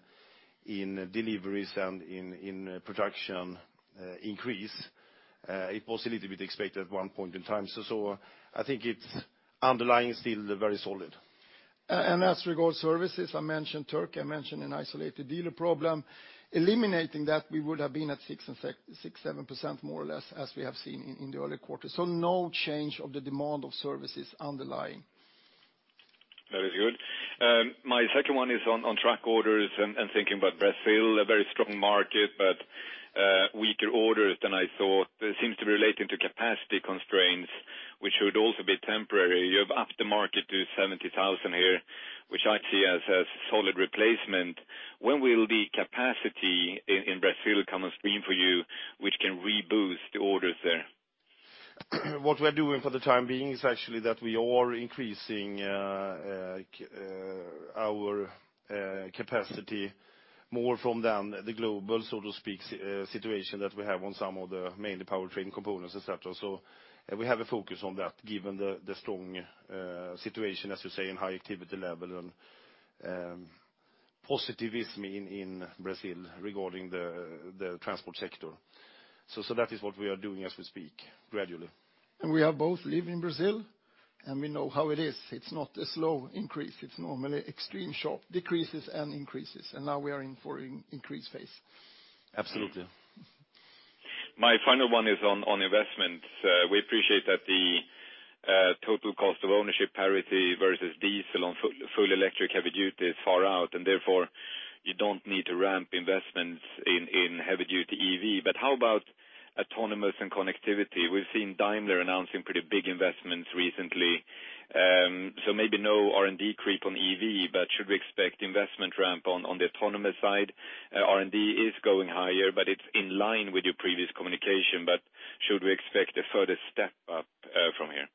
deliveries and in production increase, it was a little bit expected at one point in time. I think it's underlying still very solid. As regards services, I mentioned Turkey, I mentioned an isolated dealer problem. Eliminating that, we would have been at 6%, 7%, more or less, as we have seen in the earlier quarters. No change of the demand of services underlying. Very good. My second one is on track orders and thinking about Brazil, a very strong market, but weaker orders than I thought. Seems to be relating to capacity constraints, which should also be temporary. You have upped the market to 70,000 here, which I see as a solid replacement. When will the capacity in Brazil come on stream for you, which can reboost the orders there? What we're doing for the time being is actually that we are increasing our capacity more from the global, so to speak, situation that we have on some of the mainly powertrain components, et cetera. We have a focus on that given the strong situation, as you say, in high activity level and positivism in Brazil regarding the transport sector. That is what we are doing as we speak, gradually. We have both lived in Brazil, and we know how it is. It's not a slow increase. It's normally extreme, sharp decreases and increases, and now we are in for increase phase. Absolutely. My final one is on investments. We appreciate that the total cost of ownership parity versus diesel on full electric heavy duty is far out, and therefore you don't need to ramp investments in heavy duty EV. How about autonomous and connectivity? We've seen Daimler announcing pretty big investments recently. Maybe no R&D creep on EV, should we expect investment ramp on the autonomous side? R&D is going higher, it's in line with your previous communication. Should we expect a further step up from here?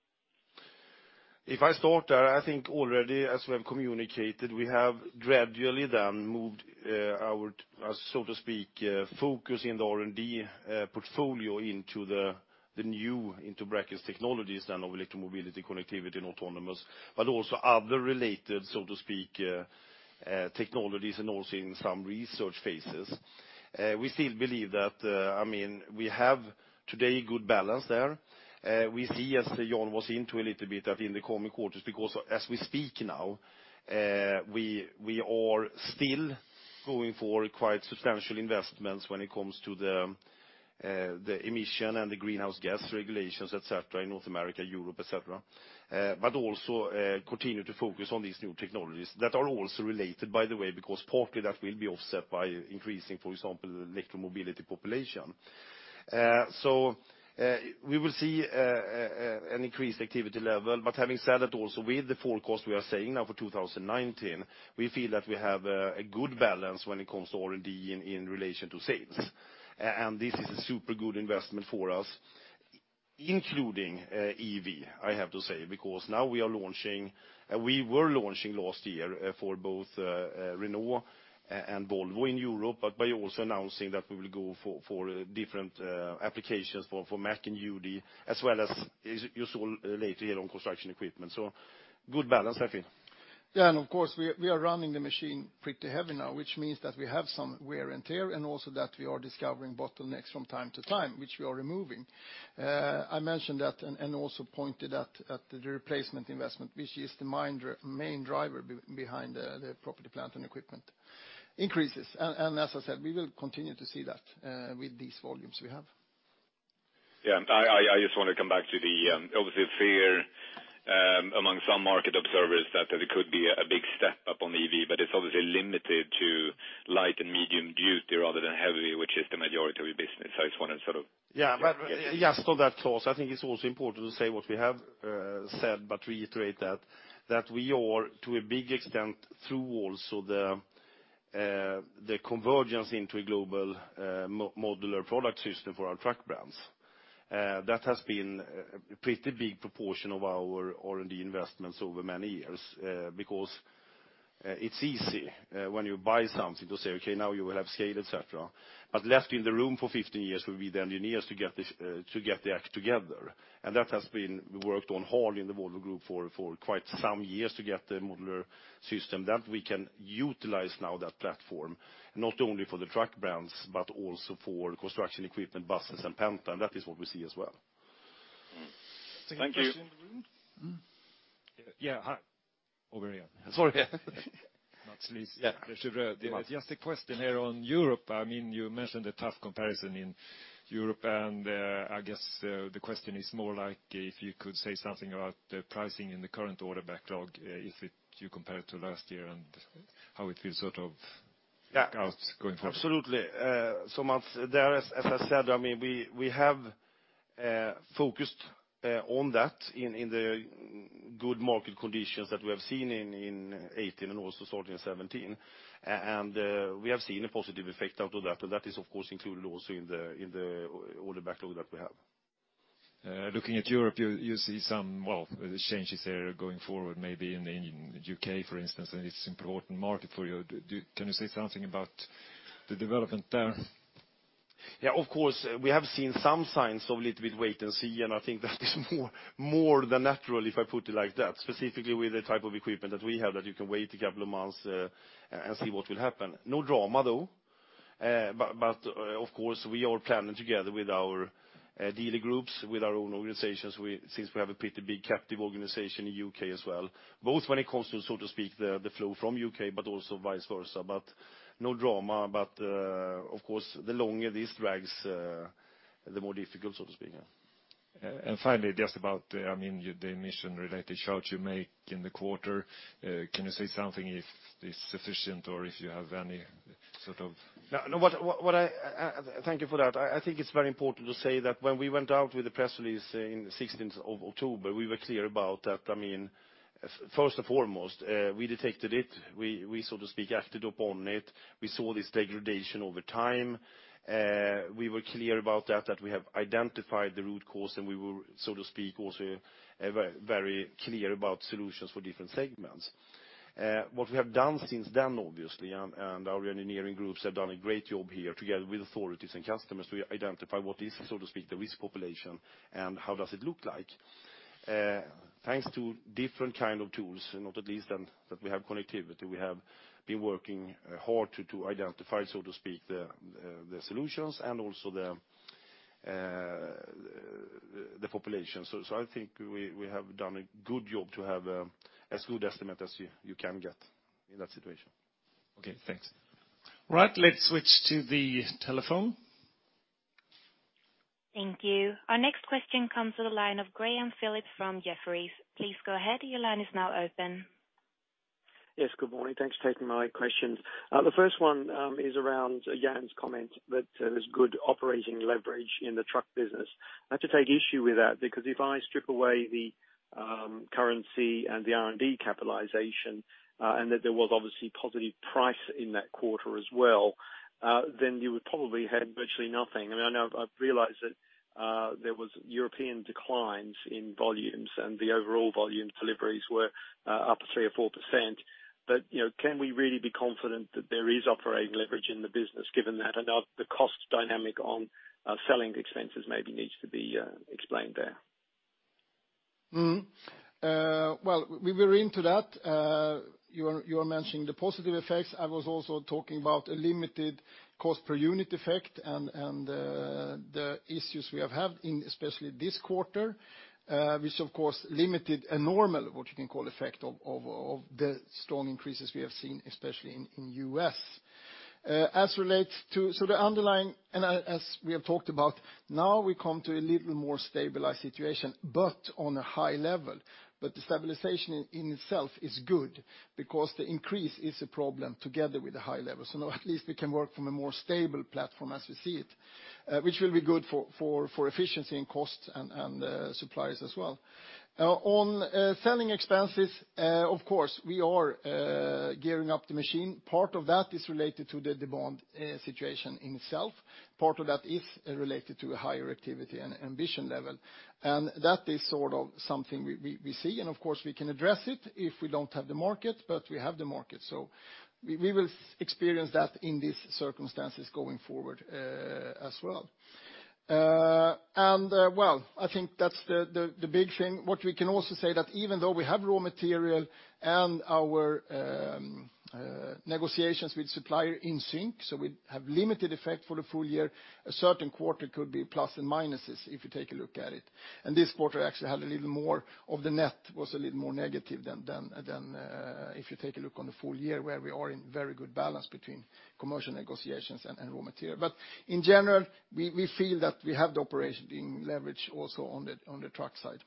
If I start there, I think already as we have communicated, we have gradually moved our, so to speak, focus in the R&D portfolio into the new technologies of electromobility, connectivity and autonomous, also other related, so to speak, technologies and also in some research phases. We still believe that we have today good balance there. We see as Jan was into a little bit that in the coming quarters, because as we speak now, we are still going for quite substantial investments when it comes to the emission and the greenhouse gas regulations, etc., in North America, Europe, etc. Continue to focus on these new technologies that are also related, by the way, because partly that will be offset by increasing, for example, the electromobility population. We will see an increased activity level. Having said that, also with the forecast we are saying now for 2019, we feel that we have a good balance when it comes to R&D in relation to sales. This is a super good investment for us, including EV, I have to say, because now we are launching, we were launching last year for both Renault and Volvo in Europe, also announcing that we will go for different applications for Mack and UD, as well as you saw later here on construction equipment. Good balance, I feel. Of course, we are running the machine pretty heavy now, which means that we have some wear and tear and also that we are discovering bottlenecks from time to time, which we are removing. I mentioned that and also pointed at the replacement investment, which is the main driver behind the property, plant, and equipment increases. As I said, we will continue to see that with these volumes we have. Yeah, I just want to come back to the, obviously fear among some market observers that there could be a big step up on EV, but it's obviously limited to light and medium duty rather than heavy, which is the majority of your business. Yeah. Still that, Klas, I think it's also important to say what we have said, but reiterate that we are, to a big extent, through also the convergence into a global modular product system for our truck brands. That has been a pretty big proportion of our R&D investments over many years. It's easy when you buy something to say, okay, now you will have scale, et cetera. Left in the room for 15 years will be the engineers to get the act together. That has been worked on hard in the Volvo Group for quite some years to get the modular system that we can utilize now that platform, not only for the truck brands but also for construction equipment, buses and Penta, and that is what we see as well. Thank you. Any questions? Yeah. Hi. Over here. Sorry. Mats Liss. Just a question here on Europe. You mentioned a tough comparison in Europe, and I guess the question is more like if you could say something about the pricing in the current order backlog, if you compare it to last year, and how it feels sort of– Yeah. –going forward. Absolutely. Mats, as I said, we have focused on that in the good market conditions that we have seen in 2018 and also starting in 2017. We have seen a positive effect out of that, and that is, of course, included also in the order backlog that we have. Looking at Europe, you see some, well, changes there going forward, maybe in U.K., for instance, and it's important market for you. Can you say something about the development there? Of course, we have seen some signs of a little bit wait and see, and I think that is more than natural, if I put it like that, specifically with the type of equipment that we have, that you can wait a couple of months and see what will happen. No drama, though. Of course, we are planning together with our dealer groups, with our own organizations, since we have a pretty big captive organization in U.K. as well, both when it comes to, so to speak, the flow from U.K., but also vice versa. No drama, but, of course, the longer this drags, the more difficult, so to speak. Finally, just about the emission-related charge you make in the quarter. Can you say something if it's sufficient or if you have any sort of– Thank you for that. I think it's very important to say that when we went out with the press release in the 16th of October, we were clear about that. First and foremost, we detected it. We, so to speak, acted upon it. We saw this degradation over time. We were clear about that we have identified the root cause, and we were, so to speak, also very clear about solutions for different segments. What we have done since then, obviously, and our engineering groups have done a great job here together with authorities and customers to identify what is, so to speak, the risk population and how does it look like. Thanks to different kind of tools, not at least that we have connectivity, we have been working hard to identify, so to speak, the solutions and also the population. I think we have done a good job to have as good estimate as you can get in that situation. Okay, thanks. Right. Let's switch to the telephone. Thank you. Our next question comes to the line of Graham Phillips from Jefferies. Please go ahead. Your line is now open. Yes, good morning. Thanks for taking my questions. The first one is around Jan's comment that there's good operating leverage in the truck business. I have to take issue with that because if I strip away the currency and the R&D capitalization, and that there was obviously positive price in that quarter as well, then you would probably have virtually nothing. I realize that there was European declines in volumes, and the overall volume deliveries were up 3% or 4%. Can we really be confident that there is operating leverage in the business given that? I know the cost dynamic on selling expenses maybe needs to be explained there. Well, we were into that. You are mentioning the positive effects. I was also talking about a limited cost per unit effect and the issues we have had in especially this quarter, which of course limited a normal, what you can call effect of the strong increases we have seen especially in U.S. The underlying, and as we have talked about, now we come to a little more stabilized situation but on a high level. The stabilization in itself is good because the increase is a problem together with the high level. Now at least we can work from a more stable platform as we see it, which will be good for efficiency and cost and supplies as well. On selling expenses, of course, we are gearing up the machine. Part of that is related to the demand situation in itself. Part of that is related to a higher activity and ambition level. That is something we see, and of course we can address it if we don't have the market, but we have the market. We will experience that in these circumstances going forward as well. Well, I think that's the big thing. What we can also say that even though we have raw material and our negotiations with supplier in sync, so we have limited effect for the full year, a certain quarter could be plus and minuses if you take a look at it. This quarter actually had a little more of the net was a little more negative than if you take a look on the full year where we are in very good balance between commercial negotiations and raw material. In general, we feel that we have the operation being leveraged also on the truck side.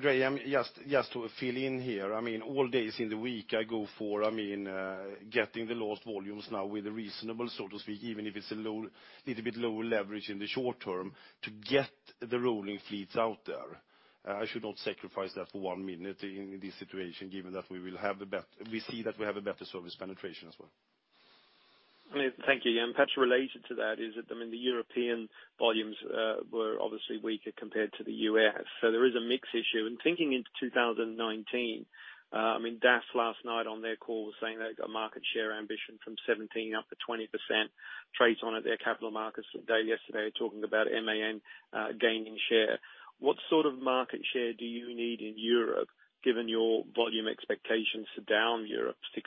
Graham, just to fill in here. All days in the week, I go for getting the lost volumes now with a reasonable, so to speak, even if it's a little bit lower leverage in the short term to get the rolling fleets out there. I should not sacrifice that for one minute in this situation, given that we see that we have a better service penetration as well. Thank you. Perhaps related to that is that, the European volumes were obviously weaker compared to the U.S. There is a mix issue. Thinking into 2019, DAF last night on their call was saying they got market share ambition from 17 up to 20%. TRATON at their capital markets day yesterday, talking about MAN gaining share. What sort of market share do you need in Europe, given your volume expectations are down Europe 6%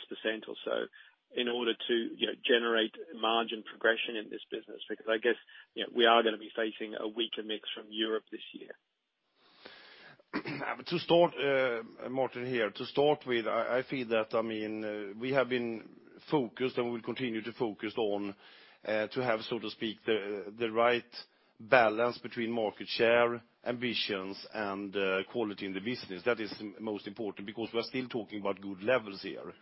or so, in order to generate margin progression in this business? Because I guess we are going to be facing a weaker mix from Europe this year. Martin here. To start with, I feel that we have been focused and we will continue to focus on to have, so to speak, the right balance between market share, ambitions, and quality in the business. That is most important because we are still talking about good levels here.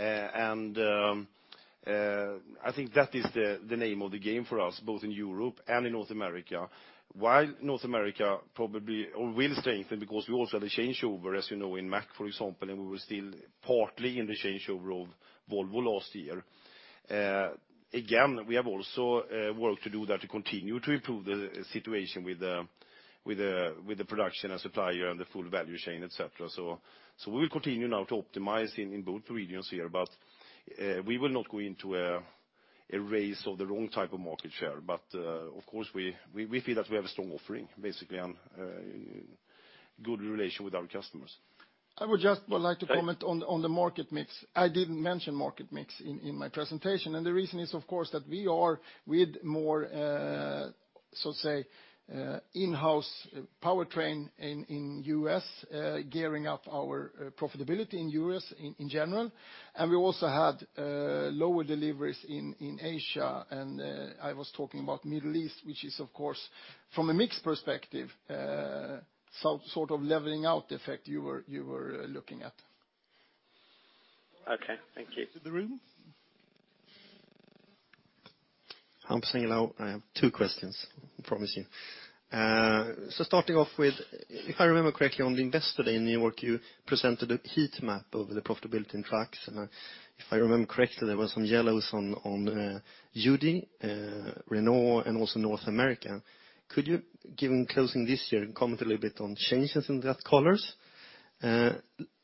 I think that is the name of the game for us, both in Europe and in North America. While North America probably will strengthen because we also had a changeover, as you know, in Mack, for example, and we were still partly in the changeover of Volvo last year. We have also work to do there to continue to improve the situation with the production and supplier and the full value chain, et cetera. We will continue now to optimize in both regions here, but we will not go into a race of the wrong type of market share. of course we feel that we have a strong offering, basically, and good relation with our customers. I would just like to comment on the market mix. I didn't mention market mix in my presentation, and the reason is, of course, that we are with more, so say, in-house powertrain in U.S., gearing up our profitability in U.S. in general. we also had lower deliveries in Asia, and I was talking about Middle East, which is, of course, from a mix perspective, some sort of leveling out effect you were looking at. Okay. Thank you. To the room. Hampus Engellau. I have two questions, promise you. Starting off with, if I remember correctly, on the Investor Day in New York, you presented a heat map of the profitability in trucks. If I remember correctly, there was some yellows on UD, Renault, and also North America. Could you, given closing this year, comment a little bit on changes in that colors?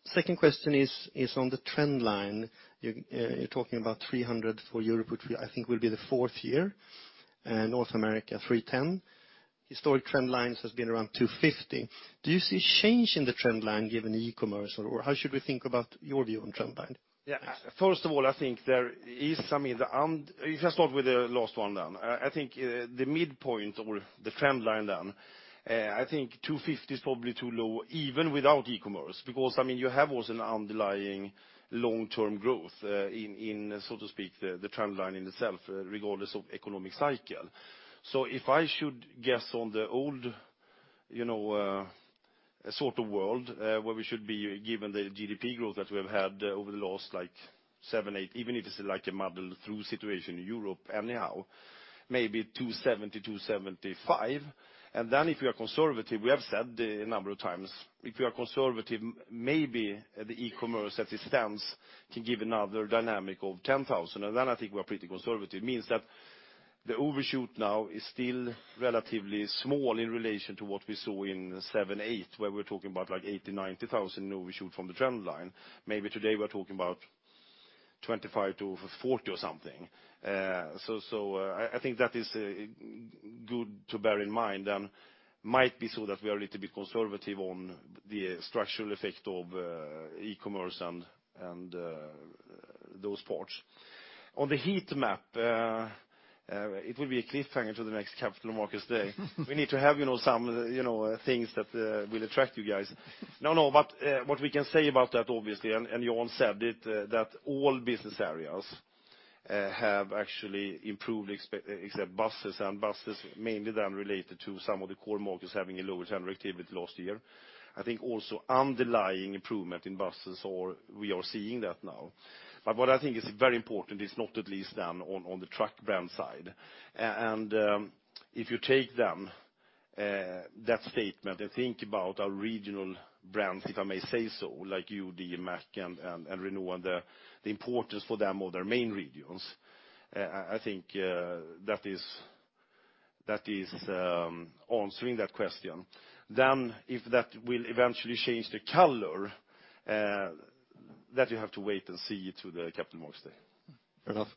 Second question is on the trend line. You're talking about 300,000 for Europe, which I think will be the fourth year, and North America, 310,000. Historic trend lines has been around 250,000. Do you see change in the trend line given e-commerce, or how should we think about your view on trend line? Yeah. First of all, I think there is some in the—if I start with the last one. I think the midpoint or the trend line, I think 250,000 is probably too low even without e-commerce, because you have also an underlying long-term growth in, so to speak, the trend line in itself, regardless of economic cycle. If I should guess on the old a sort of world where we should be given the GDP growth that we have had over the last 2007, 2008, even if it's a muddle through situation in Europe anyhow, maybe 270,000-275,000. If we are conservative, we have said a number of times, if we are conservative, maybe the e-commerce as it stands can give another dynamic of 10,000. I think we are pretty conservative. Means that the overshoot now is still relatively small in relation to what we saw in 2007, 2008, where we're talking about 80,000-90,000 overshoot from the trend line. Maybe today we're talking about 25,000-40,000 or something. I think that is good to bear in mind and might be so that we are a little bit conservative on the structural effect of e-commerce and those parts. On the heat map, it will be a cliffhanger to the next Capital Markets Day. We need to have some things that will attract you guys. What we can say about that, obviously, and Jan said it, that all business areas have actually improved except buses. Buses mainly than related to some of the core markets having a lower general activity last year. I think also underlying improvement in buses, or we are seeing that now. What I think is very important is not at least then on the truck brand side. If you take then that statement and think about our regional brands, if I may say so, like UD and Mack and Renault, the importance for them or their main regions, I think that is answering that question. If that will eventually change the color, that you have to wait and see to the Capital Markets Day. Fair enough.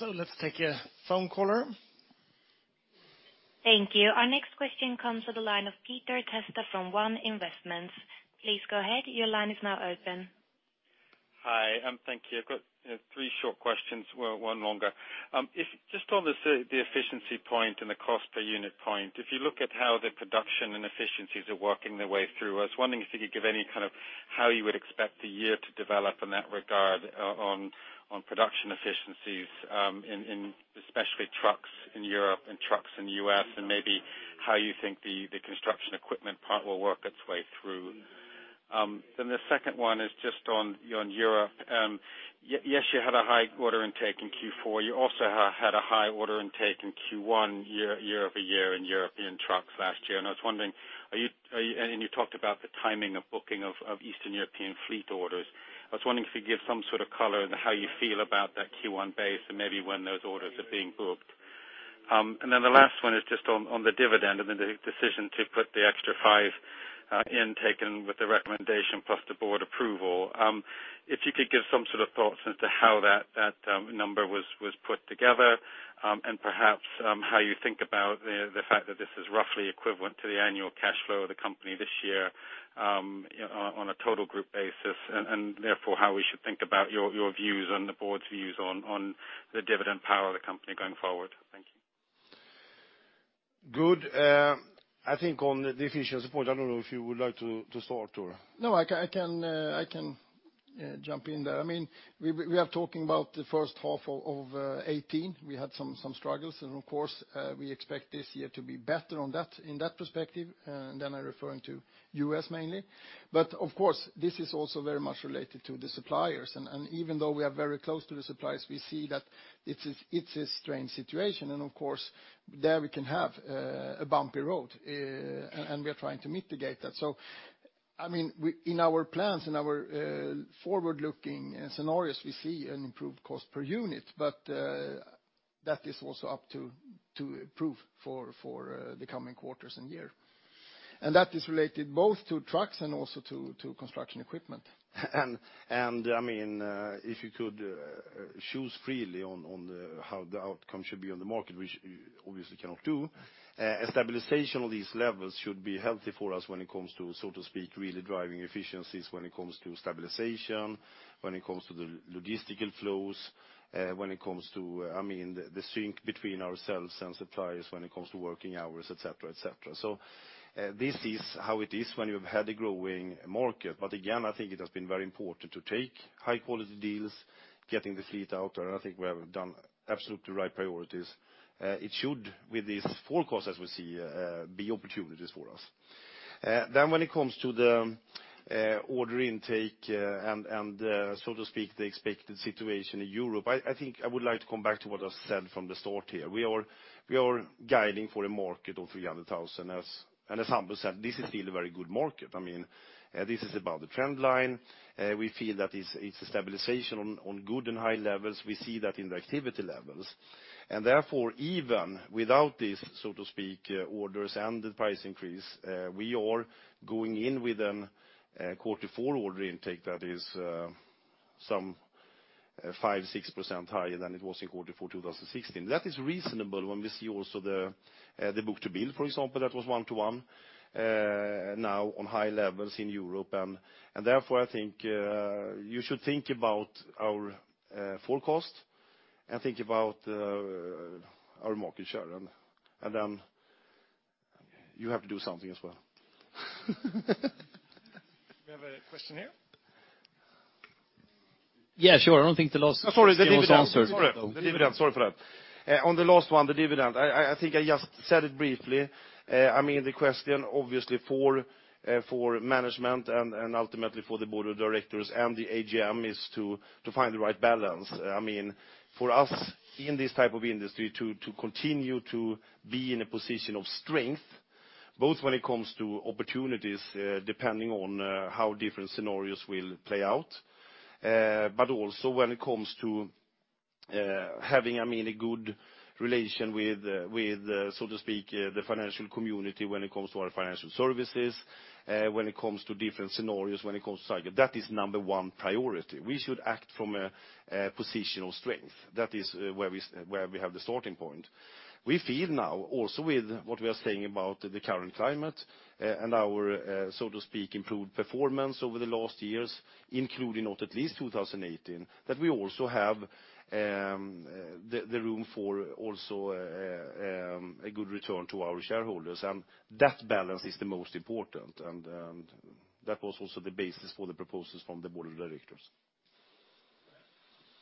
Let's take a phone caller. Thank you. Our next question comes to the line of Peter Testa from One Investments. Please go ahead. Your line is now open. Hi, and thank you. I've got three short questions, well, one longer. Just on the efficiency point and the cost per unit point, if you look at how the production and efficiencies are working their way through, I was wondering if you could give any kind of how you would expect the year to develop in that regard on production efficiencies, in especially trucks in Europe and trucks in U.S., and maybe how you think the construction equipment part will work its way through. The second one is just on Europe. Yes, you had a high order intake in Q4. You also had a high order intake in Q1 year-over-year in European trucks last year. You talked about the timing of booking of Eastern European fleet orders. I was wondering if you could give some sort of color on how you feel about that Q1 base and maybe when those orders are being booked. The last one is just on the dividend and the decision to put the extra 5 in, taken with the recommendation plus the board approval. If you could give some sort of thoughts as to how that number was put together, and perhaps, how you think about the fact that this is roughly equivalent to the annual cash flow of the company this year on a total Group basis, and therefore how we should think about your views and the board's views on the dividend power of the company going forward. Thank you. Good. I think on the efficiency point, Jan I don't know if you would like to start, or? No, I can jump in there. We are talking about the first half of 2018. We had some struggles and of course, we expect this year to be better in that perspective, then I referring to U.S. mainly. Of course, this is also very much related to the suppliers. Even though we are very close to the suppliers, we see that it's a strange situation. Of course, there we can have a bumpy road, and we are trying to mitigate that. In our plans, in our forward-looking scenarios, we see an improved cost per unit, but that is also up to prove for the coming quarters and year. That is related both to trucks and also to construction equipment. If you could choose freely on how the outcome should be on the market, which obviously you cannot do, a stabilization of these levels should be healthy for us when it comes to, so to speak, really driving efficiencies when it comes to stabilization, when it comes to the logistical flows, when it comes to the sync between ourselves and suppliers, when it comes to working hours, et cetera. This is how it is when you've had a growing market. Again, I think it has been very important to take high quality deals, getting the fleet out, and I think we have done absolutely the right priorities. It should, with these forecasts as we see, be opportunities for us. When it comes to the order intake and, so to speak, the expected situation in Europe, I think I would like to come back to what I said from the start here. We are guiding for a market of 300,000, and as Jan said, this is still a very good market. This is above the trend line. We feel that it's a stabilization on good and high levels. We see that in the activity levels. Even without these, so to speak, orders and the price increase, we are going in with a Q4 order intake that is some 5%-6% higher than it was in Q4 2016. That is reasonable when we see also the book-to-bill, for example, that was 1-to-1, now on high levels in Europe. I think you should think about our forecast and think about our market share, and then you have to do something as well. We have a question here Yeah, sure. I don't think the loss— Sorry, the dividend. —was answered. Sorry. The dividend, sorry for that. On the last one, the dividend, I think I just said it briefly. The question obviously for management and ultimately for the Board of Directors and the AGM is to find the right balance. For us, in this type of industry, to continue to be in a position of strength, both when it comes to opportunities, depending on how different scenarios will play out, but also when it comes to having a good relation with the financial community when it comes to our financial services, when it comes to different scenarios, when it comes to cycle, that is number 1 priority. We should act from a position of strength. That is where we have the starting point. We feel now also with what we are saying about the current climate and our improved performance over the last years, including not at least 2018, that we also have the room for a good return to our shareholders. That balance is the most important, and that was also the basis for the proposals from the Board of Directors.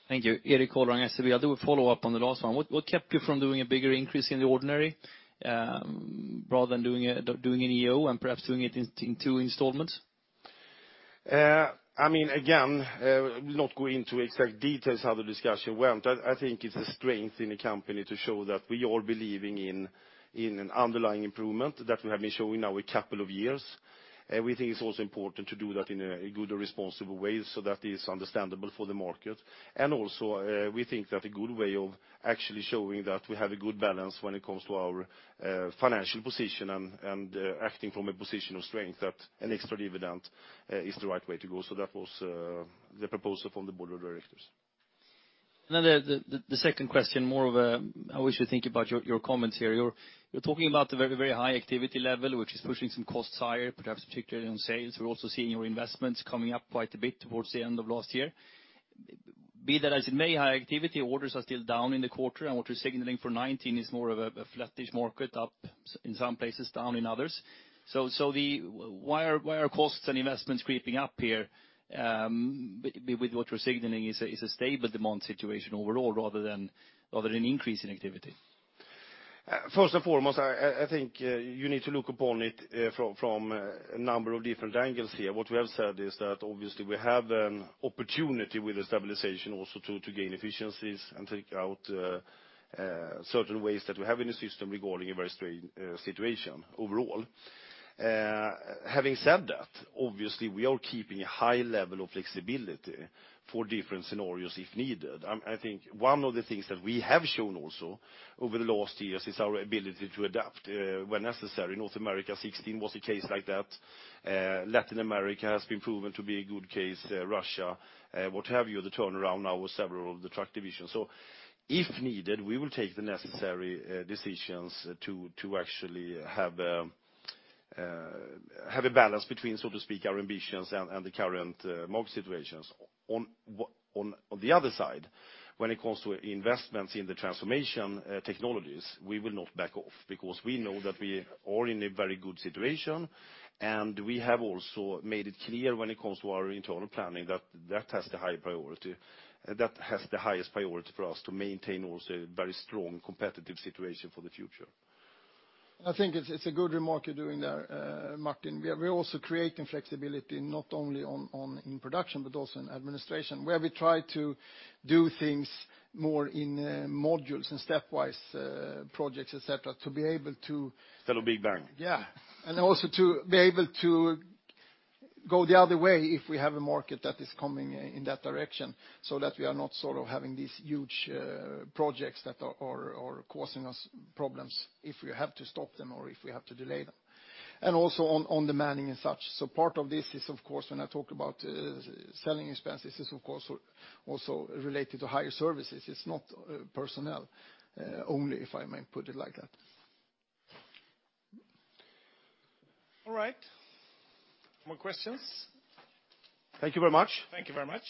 Thank you. Erik Golrang, SEB. I do have a follow-up on the last one. What kept you from doing a bigger increase in the ordinary, rather than doing an EO and perhaps doing it in two installments? Not go into exact details how the discussion went. I think it's a strength in a company to show that we are believing in an underlying improvement that we have been showing now a couple of years. We think it's also important to do that in a good and responsible way so that is understandable for the market. Also, we think that a good way of actually showing that we have a good balance when it comes to our financial position and acting from a position of strength, that an extra dividend is the right way to go. That was the proposal from the Board of Directors. The second question, more of a, I wish to think about your comments here. You're talking about the very, very high activity level, which is pushing some costs higher, perhaps particularly on sales. We're also seeing your investments coming up quite a bit towards the end of last year. Be that as it may, high activity orders are still down in the quarter, and what you're signaling for 2019 is more of a flattish market, up in some places, down in others. Why are costs and investments creeping up here with what you're signaling is a stable demand situation overall, rather than an increase in activity? First and foremost, I think you need to look upon it from a number of different angles here. What we have said is that obviously we have an opportunity with the stabilization also to gain efficiencies and take out certain ways that we have in the system regarding a very strange situation overall. Having said that, obviously we are keeping a high level of flexibility for different scenarios if needed. I think one of the things that we have shown also over the last years is our ability to adapt when necessary. North America 2016 was a case like that. Latin America has been proven to be a good case, Russia, what have you, the turnaround now with several of the truck divisions. If needed, we will take the necessary decisions to actually have a balance between, so to speak, our ambitions and the current market situations. On the other side, when it comes to investments in the transformation technologies, we will not back off because we know that we are in a very good situation, and we have also made it clear when it comes to our internal planning that that has the highest priority for us to maintain also a very strong competitive situation for the future. I think it's a good remark you're doing there, Martin. We are also creating flexibility not only in production, but also in administration, where we try to do things more in modules and stepwise projects, et cetera, to be able to— Instead of big bang. Yeah. Also to be able to go the other way if we have a market that is coming in that direction, so that we are not having these huge projects that are causing us problems if we have to stop them or if we have to delay them. Also, on demanding and such. So part of this is, of course, when I talk about selling expenses, is of course also related to higher services. It's not personnel only, if I may put it like that. All right. More questions? Thank you very much. Thank you very much.